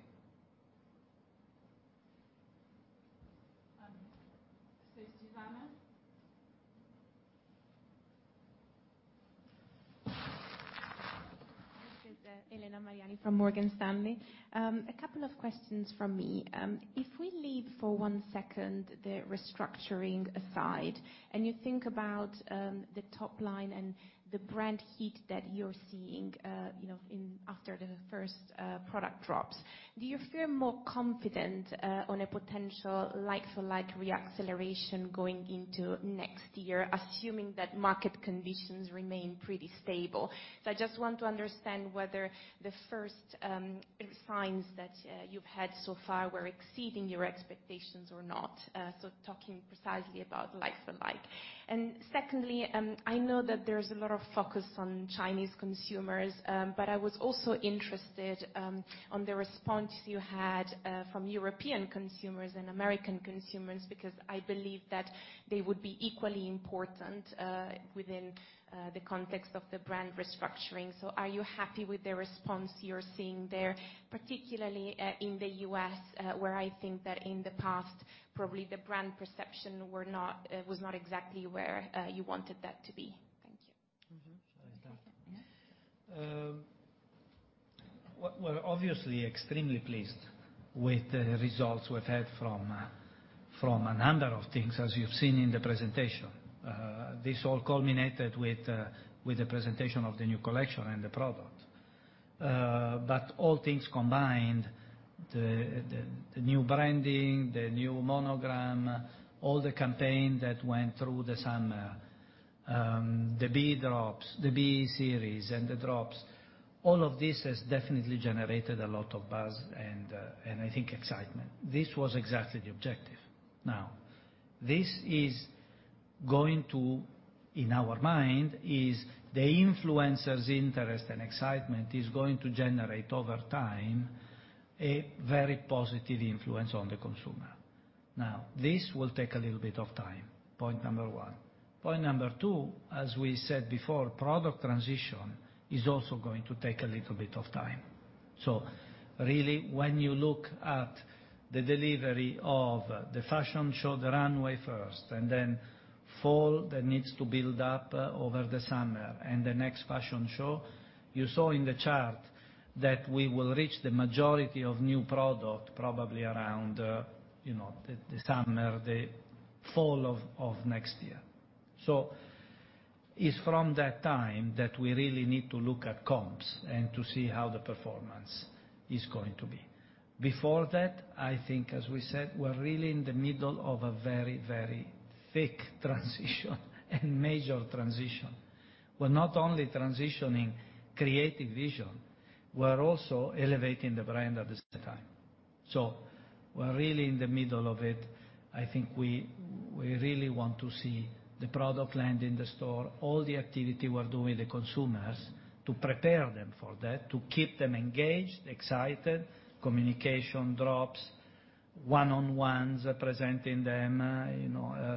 Zuzanna? This is Elena Mariani from Morgan Stanley. A couple of questions from me. If we leave for one second the restructuring aside, you think about the top line and the brand heat that you're seeing after the first product drops, do you feel more confident on a potential like-for-like re-acceleration going into next year, assuming that market conditions remain pretty stable? I just want to understand whether the first signs that you've had so far were exceeding your expectations or not, talking precisely about like-for-like. Secondly, I know that there's a lot of focus on Chinese consumers, but I was also interested on the response you had from European consumers and American consumers, because I believe that they would be equally important, within the context of the brand restructuring. Are you happy with the response you're seeing there, particularly in the U.S., where I think that in the past, probably the brand perception was not exactly where you wanted that to be. Thank you. Shall I start? Yeah. We're obviously extremely pleased with the results we've had from a number of things, as you've seen in the presentation. This all culminated with the presentation of the new collection and the product. All things combined, the new branding, the new monogram, all the campaign that went through the summer, the B drops, the B Series and the drops, all of this has definitely generated a lot of buzz and, I think, excitement. This was exactly the objective. This is going to, in our mind, the influencer's interest and excitement is going to generate, over time, a very positive influence on the consumer. This will take a little bit of time, point number one. Point number two, as we said before, product transition is also going to take a little bit of time. When you look at the delivery of the fashion show, the runway first and then fall that needs to build up over the summer and the next fashion show. You saw in the chart that we will reach the majority of new product, probably around the summer, the fall of next year. It's from that time that we really need to look at comps and to see how the performance is going to be. Before that, I think as we said, we're really in the middle of a very, very thick transition and major transition. We're not only transitioning creative vision, we're also elevating the brand at the same time. We're really in the middle of it. I think we really want to see the product land in the store. All the activity we're doing with the consumers to prepare them for that, to keep them engaged, excited, communication drops, one-on-ones, presenting them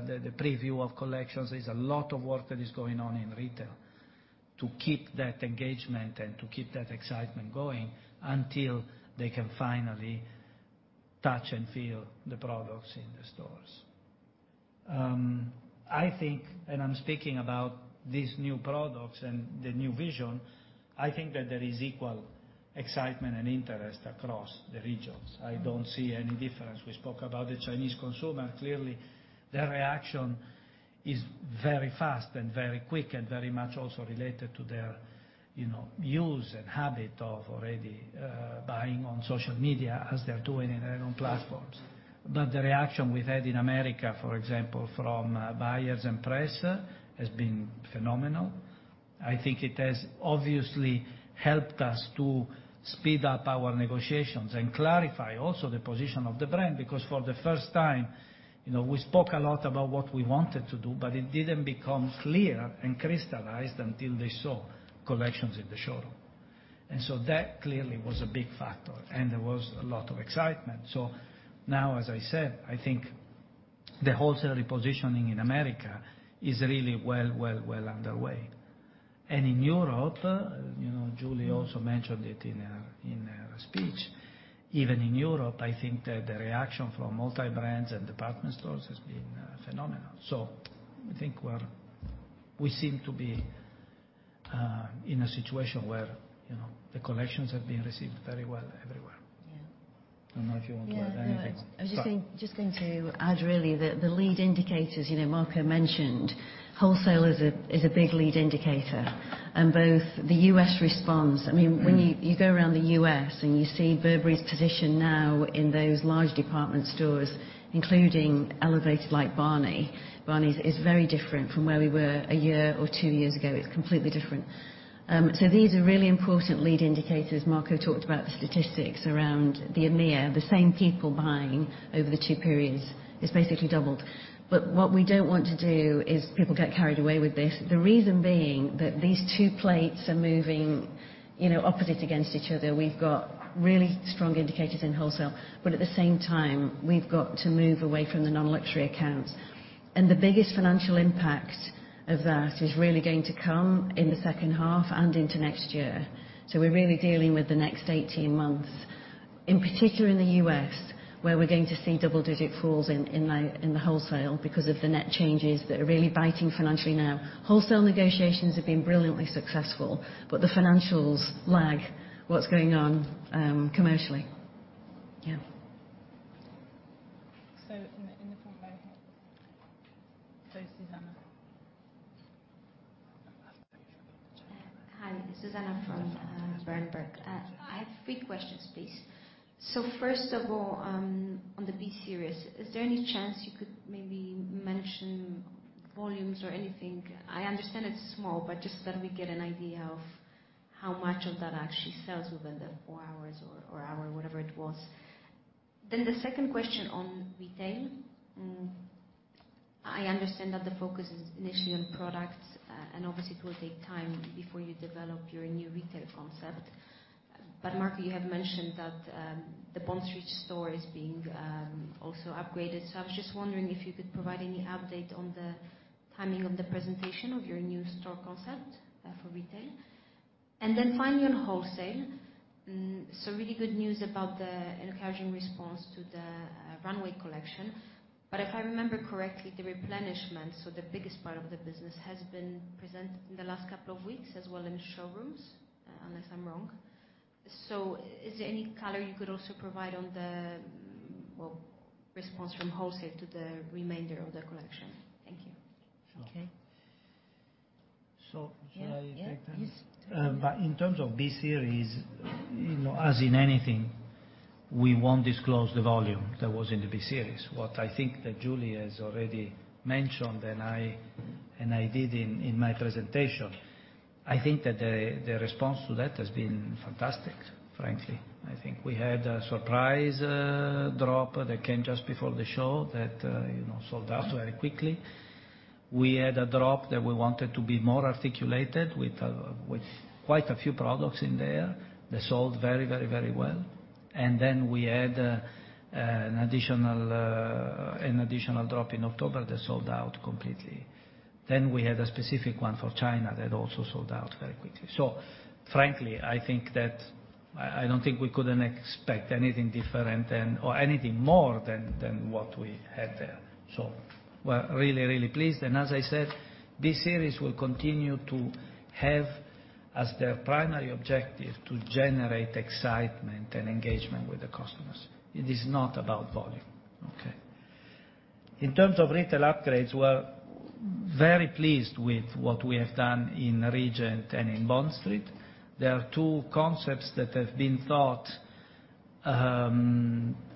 the preview of collections. There's a lot of work that is going on in retail to keep that engagement and to keep that excitement going until they can finally touch and feel the products in the stores. I think, and I'm speaking about these new products and the new vision, I think that there is equal excitement and interest across the regions. I don't see any difference. We spoke about the Chinese consumer. Clearly, their reaction is very fast and very quick, and very much also related to their views and habit of already buying on social media as they're doing in their own platforms. The reaction we've had in America, for example, from buyers and press, has been phenomenal. I think it has obviously helped us to speed up our negotiations and clarify also the position of the brand, because for the first time, we spoke a lot about what we wanted to do, but it didn't become clear and crystallized until they saw collections in the showroom. That clearly was a big factor and there was a lot of excitement. Now, as I said, I think the wholesale repositioning in America is really well, well, well underway. In Europe, Julie also mentioned it in her speech. Even in Europe, I think that the reaction from multi-brands and department stores has been phenomenal. I think we seem to be in a situation where the collections have been received very well everywhere. Yeah. I don't know if you want to add anything. I was just going to add really that the lead indicators, Marco mentioned wholesale is a big lead indicator and both the U.S. response, when you go around the U.S. and you see Burberry's position now in those large department stores, including elevated like Barneys. Barneys is very different from where we were one year or two years ago. It's completely different. These are really important lead indicators. Marco talked about the statistics around the EMEIA, the same people buying over the two periods is basically doubled. What we don't want to do is people get carried away with this. The reason being that these two plates are moving opposite against each other. We've got really strong indicators in wholesale, at the same time, we've got to move away from the non-luxury accounts. The biggest financial impact of that is really going to come in the second half and into next year. We're really dealing with the next 18 months, in particular in the U.S. where we're going to see double digit falls in the wholesale because of the net changes that are really biting financially now. Wholesale negotiations have been brilliantly successful, the financials lag what's going on commercially. Zuzanna Hi, Zuzanna from Berenberg. I have three questions, please. First of all, on the B Series, is there any chance you could maybe mention volumes or anything? I understand it's small, but just so that we get an idea of how much of that actually sells within the four hours or hour, whatever it was. The second question on retail, I understand that the focus is initially on products, and obviously it will take time before you develop your new retail concept. But Marco, you have mentioned that the Bond Street store is being also upgraded. I was just wondering if you could provide any update on the timing of the presentation of your new store concept for retail. Finally, on wholesale, some really good news about the encouraging response to the runway collection. If I remember correctly, the replenishment, so the biggest part of the business, has been presented in the last couple of weeks as well in showrooms, unless I'm wrong. Is there any color you could also provide on the response from wholesale to the remainder of the collection? Thank you. Okay. Shall I take that? Yeah. Yes. In terms of B Series, as in anything, we won't disclose the volume that was in the B Series. What I think that Julie has already mentioned, and I did in my presentation, I think that the response to that has been fantastic, frankly. I think we had a surprise drop that came just before the show that sold out very quickly. We had a drop that we wanted to be more articulated with quite a few products in there that sold very well. Then we had an additional drop in October that sold out completely. Then we had a specific one for China that also sold out very quickly. Frankly, I don't think we couldn't expect anything different or anything more than what we had there. We're really pleased. As I said, B Series will continue to have as their primary objective to generate excitement and engagement with the customers. It is not about volume. Okay. In terms of retail upgrades, we're very pleased with what we have done in Regent and in Bond Street. There are two concepts that have been thought,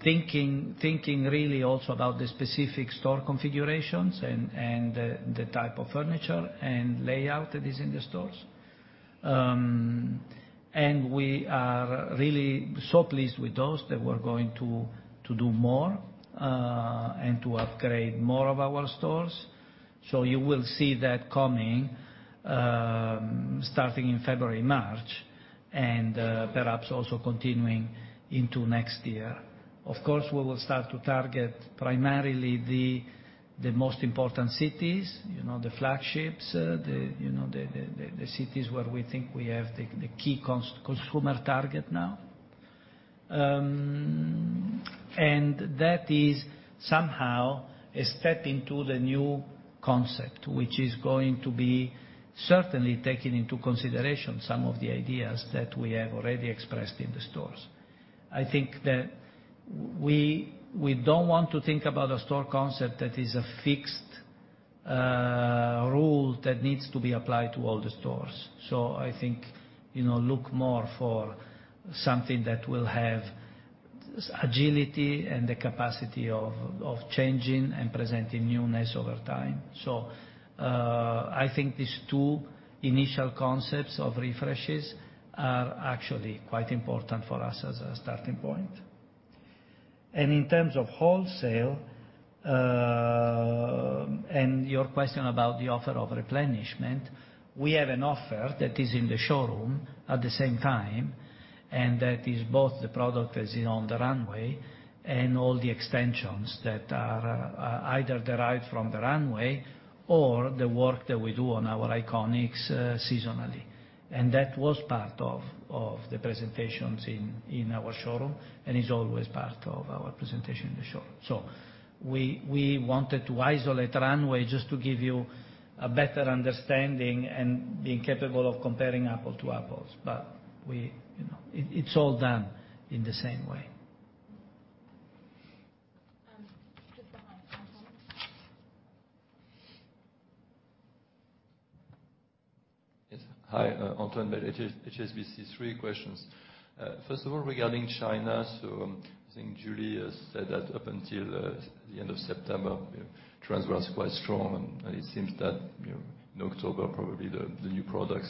thinking really also about the specific store configurations and the type of furniture and layout that is in the stores. We are really so pleased with those that we're going to do more, and to upgrade more of our stores. You will see that coming, starting in February, March, and perhaps also continuing into next year. Of course, we will start to target primarily the most important cities, the flagships, the cities where we think we have the key consumer target now. That is somehow a step into the new concept, which is going to be certainly taking into consideration some of the ideas that we have already expressed in the stores. I think that we don't want to think about a store concept that is a fixed rule that needs to be applied to all the stores. I think, look more for something that will have agility and the capacity of changing and presenting newness over time. I think these two initial concepts of refreshes are actually quite important for us as a starting point. In terms of wholesale, and your question about the offer of replenishment, we have an offer that is in the showroom at the same time, and that is both the product that is on the runway and all the extensions that are either derived from the runway or the work that we do on our iconics seasonally. That was part of the presentations in our showroom and is always part of our presentation in the showroom. We wanted to isolate runway just to give you a better understanding and being capable of comparing apples to apples. It's all done in the same way. Just behind Antoine. Yes. Hi, Antoine Belge, HSBC. Three questions. First of all, regarding China, I think Julie has said that up until the end of September, trend was quite strong, and it seems that in October, probably the new products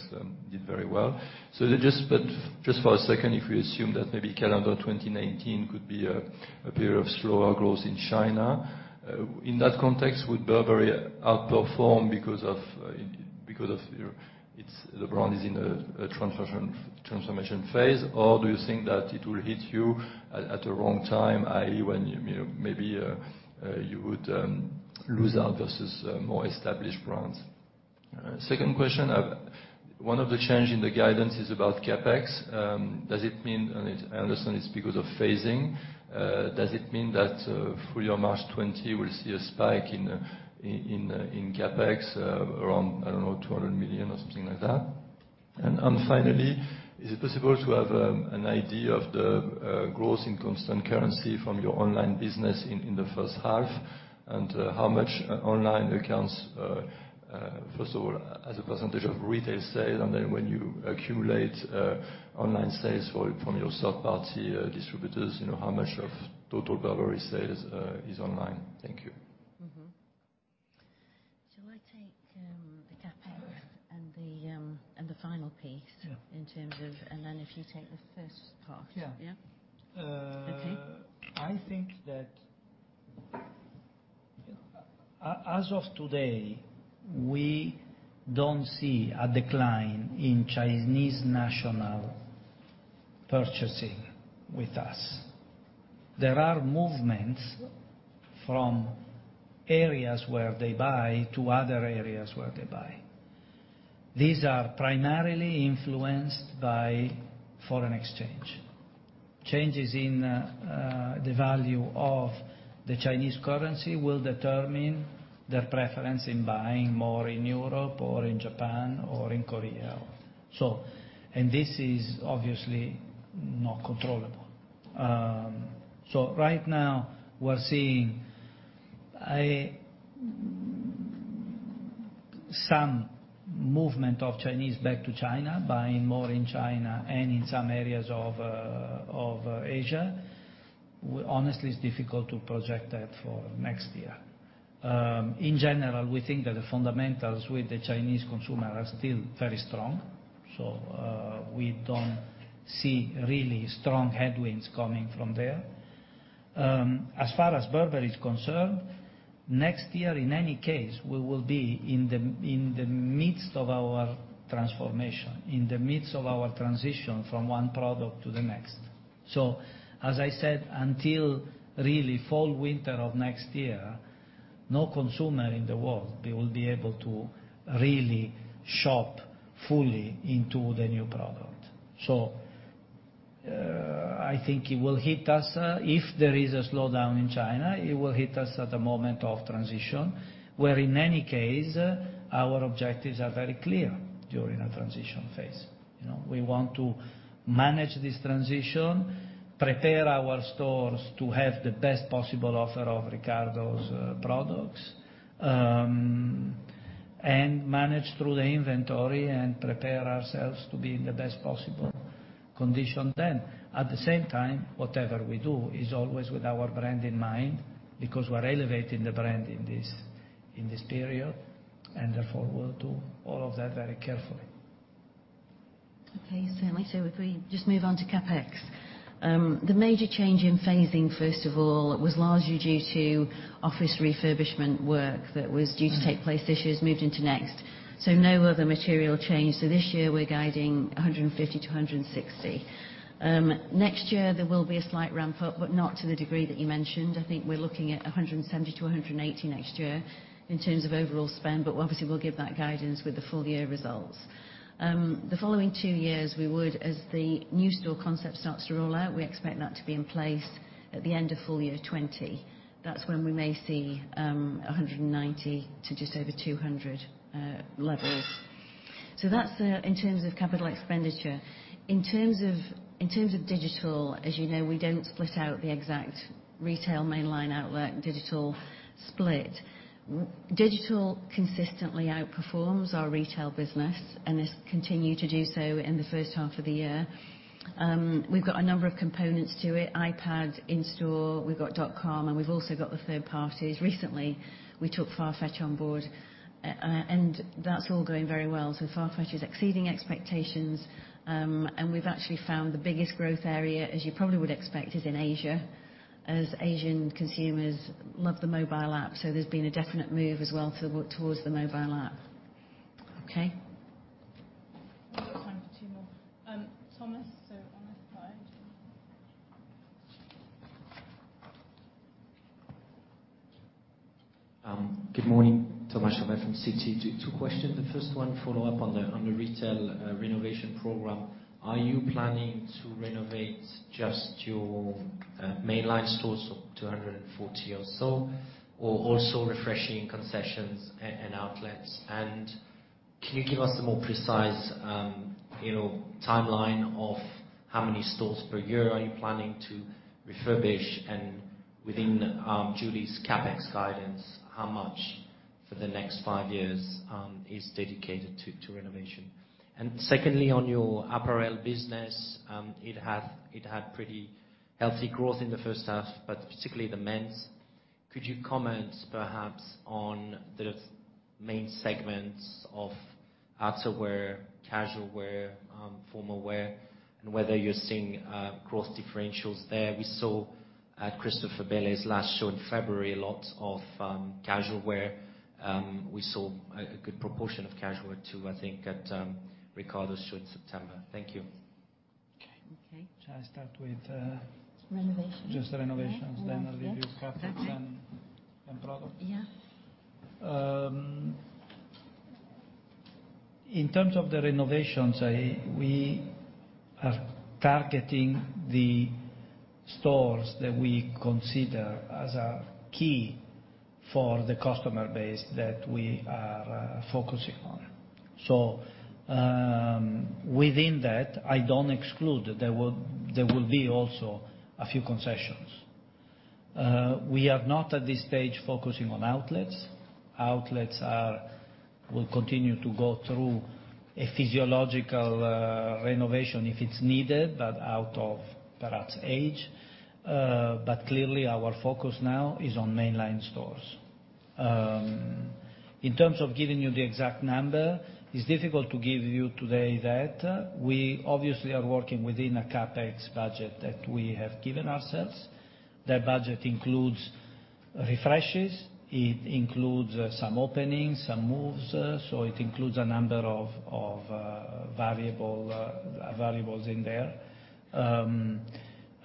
did very well. Just for a second, if we assume that maybe calendar 2019 could be a period of slower growth in China, in that context, would Burberry outperform because of the brand is in a transformation phase? Or do you think that it will hit you at a wrong time, i.e., when maybe you would lose out versus more established brands? Second question, one of the change in the guidance is about CapEx. I understand it's because of phasing. Does it mean that full-year March 2020, we'll see a spike in CapEx around, I don't know, 200 million or something like that? Finally, is it possible to have an idea of the growth in constant currency from your online business in the first half? How much online accounts, first of all, as a percentage of retail sales, and then when you accumulate online sales from your third-party distributors, how much of total Burberry sales is online? Thank you. Shall I take the CapEx and the final piece- Yeah in terms of, then if you take the first part? Yeah. Yeah. Okay. I think that, as of today, we don't see a decline in Chinese national purchasing with us. There are movements from areas where they buy to other areas where they buy. These are primarily influenced by foreign exchange. Changes in the value of the Chinese currency will determine their preference in buying more in Europe or in Japan or in Korea. This is obviously not controllable. Right now, we're seeing some movement of Chinese back to China, buying more in China and in some areas of Asia. Honestly, it's difficult to project that for next year. In general, we think that the fundamentals with the Chinese consumer are still very strong. We don't see really strong headwinds coming from there. As far as Burberry is concerned, next year, in any case, we will be in the midst of our transformation, in the midst of our transition from one product to the next. As I said, until really fall, winter of next year, no consumer in the world will be able to really shop fully into the new product. I think it will hit us. If there is a slowdown in China, it will hit us at the moment of transition. Where in any case, our objectives are very clear during a transition phase. We want to manage this transition, prepare our stores to have the best possible offer of Riccardo's products, and manage through the inventory and prepare ourselves to be in the best possible condition then. At the same time, whatever we do is always with our brand in mind, because we're elevating the brand in this period, and therefore, we'll do all of that very carefully. Okay. Certainly. If we just move on to CapEx. The major change in phasing, first of all, was largely due to office refurbishment work that was due to take place this year is moved into next. No other material change. This year, we're guiding 150-160. Next year, there will be a slight ramp up, but not to the degree that you mentioned. I think we're looking at 170-180 next year in terms of overall spend. But obviously, we'll give that guidance with the full-year results. The following two years, we would, as the new store concept starts to roll out, we expect that to be in place at the end of full year 2020. That's when we may see 190 to just over 200 levels. That's in terms of capital expenditure. In terms of digital, as you know, we don't split out the exact retail mainline outlet digital split. Digital consistently outperforms our retail business and has continued to do so in the first half of the year. We've got a number of components to it, iPad in store, we've got .com, and we've also got the third parties. Recently, we took Farfetch on board, and that's all going very well. Farfetch is exceeding expectations. We've actually found the biggest growth area, as you probably would expect, is in Asia, as Asian consumers love the mobile app. There's been a definite move as well towards the mobile app. Okay. We've got time for two more. Thomas, on this side. Good morning. Thomas Chauvet from Citi. Two questions. The first one, follow up on the retail renovation program. Are you planning to renovate just your mainline stores, 240 or so? Or also refreshing concessions and outlets? Can you give us a more precise timeline of how many stores per year are you planning to refurbish? Within Julie's CapEx guidance, how much for the next five years is dedicated to renovation? Secondly, on your apparel business, it had pretty healthy growth in the first half, but particularly the men's. Could you comment perhaps on the main segments of outerwear, casual wear, formal wear, and whether you're seeing growth differentials there? We saw at Christopher Bailey's last show in February, a lot of casual wear. We saw a good proportion of casual wear too, I think, at Riccardo's show in September. Thank you. Okay. Okay. Shall I start with- Renovations just the renovations- Yeah I'll give you CapEx and product. Yeah. In terms of the renovations, we are targeting the stores that we consider as a key for the customer base that we are focusing on. Within that, I don't exclude that there will be also a few concessions. We are not, at this stage, focusing on outlets. Outlets will continue to go through a physiological renovation if it's needed, but out of perhaps age. Clearly our focus now is on mainline stores. In terms of giving you the exact number, it's difficult to give you today that. We obviously are working within a CapEx budget that we have given ourselves. That budget includes refreshes, it includes some openings, some moves, it includes a number of variables in there.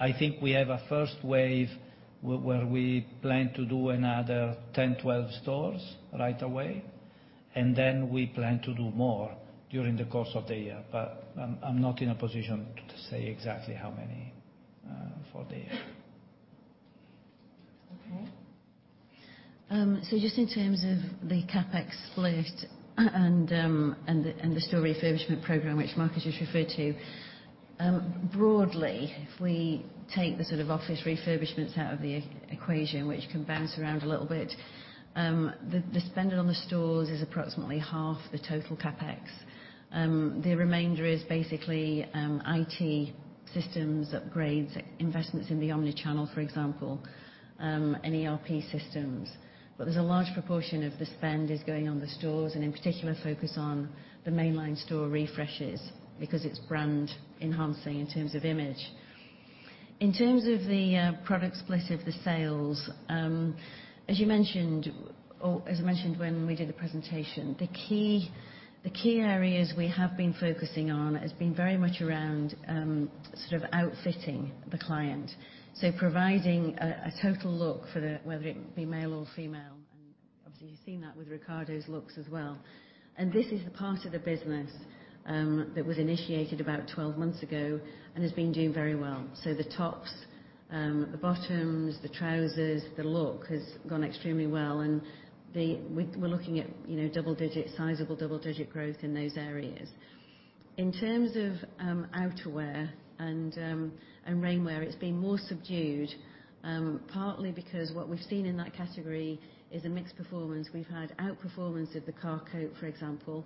I think we have a first wave where we plan to do another 10, 12 stores right away, and then we plan to do more during the course of the year. I'm not in a position to say exactly how many for the year. Okay. Just in terms of the CapEx split and the store refurbishment program, which Marco just referred to. Broadly, if we take the sort of office refurbishments out of the equation, which can bounce around a little bit, the spend on the stores is approximately half the total CapEx. The remainder is basically IT systems upgrades, investments in the omni-channel, for example, and ERP systems. There's a large proportion of the spend is going on the stores and in particular focus on the mainline store refreshes because it's brand enhancing in terms of image. In terms of the product split of the sales, as I mentioned when we did the presentation, the key areas we have been focusing on has been very much around sort of outfitting the client. Providing a total look, whether it be male or female, and obviously you've seen that with Riccardo's looks as well. This is the part of the business that was initiated about 12 months ago and has been doing very well. The tops, the bottoms, the trousers, the look has gone extremely well, and we're looking at sizable double-digit growth in those areas. In terms of outerwear and rainwear, it's been more subdued. Partly because what we've seen in that category is a mixed performance. We've had outperformance of the car coat, for example,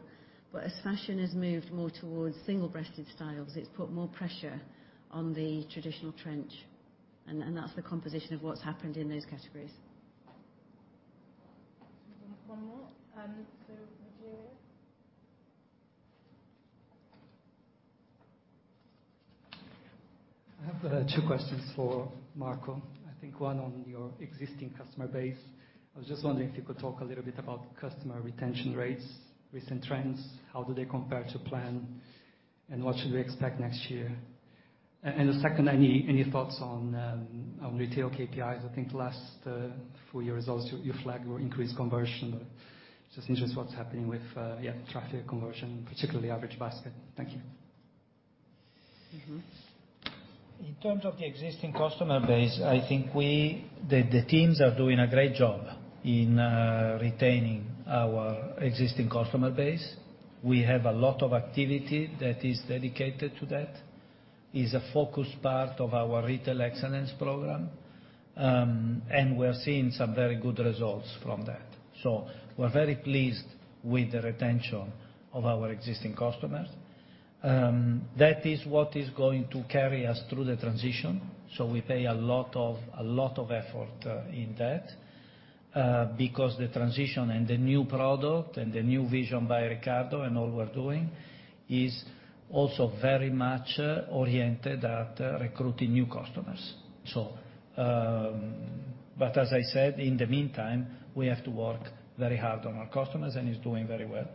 but as fashion has moved more towards single-breasted styles, it's put more pressure on the traditional trench, and that's the composition of what's happened in those categories. One more. Rogerio. I have two questions for Marco. I think one on your existing customer base. I was just wondering if you could talk a little bit about customer retention rates, recent trends, how do they compare to plan, and what should we expect next year? The second, any thoughts on retail KPIs? I think the last full year results you flagged were increased conversion. Just interested what's happening with traffic conversion, particularly average basket. Thank you. In terms of the existing customer base, I think the teams are doing a great job in retaining our existing customer base. We have a lot of activity that is dedicated to that, is a focus part of our retail excellence program. We're seeing some very good results from that. We're very pleased with the retention of our existing customers. That is what is going to carry us through the transition. We pay a lot of effort in that, because the transition and the new product and the new vision by Riccardo and all we're doing is also very much oriented at recruiting new customers. As I said, in the meantime, we have to work very hard on our customers, and it's doing very well.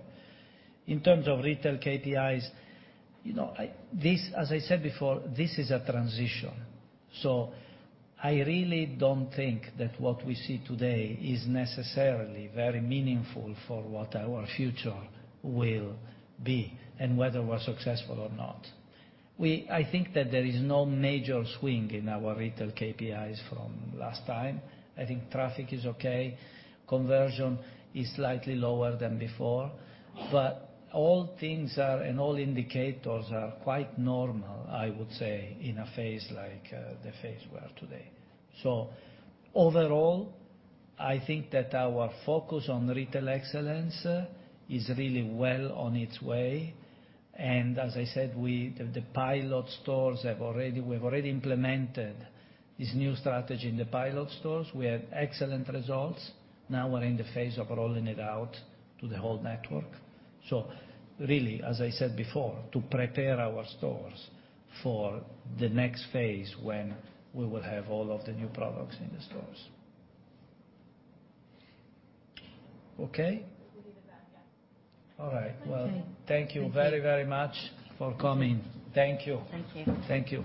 In terms of retail KPIs, as I said before, this is a transition. I really don't think that what we see today is necessarily very meaningful for what our future will be and whether we're successful or not. I think that there is no major swing in our retail KPIs from last time. I think traffic is okay. Conversion is slightly lower than before. All things are, and all indicators are quite normal, I would say, in a phase like the phase we are today. Overall, I think that our focus on retail excellence is really well on its way. As I said, the pilot stores, we've already implemented this new strategy in the pilot stores. We had excellent results. Now we're in the phase of rolling it out to the whole network. Really, as I said before, to prepare our stores for the next phase, when we will have all of the new products in the stores. Okay? We can do the back, yes. All right. Okay. Well, thank you very, very much for coming. Thank you. Thank you. Thank you.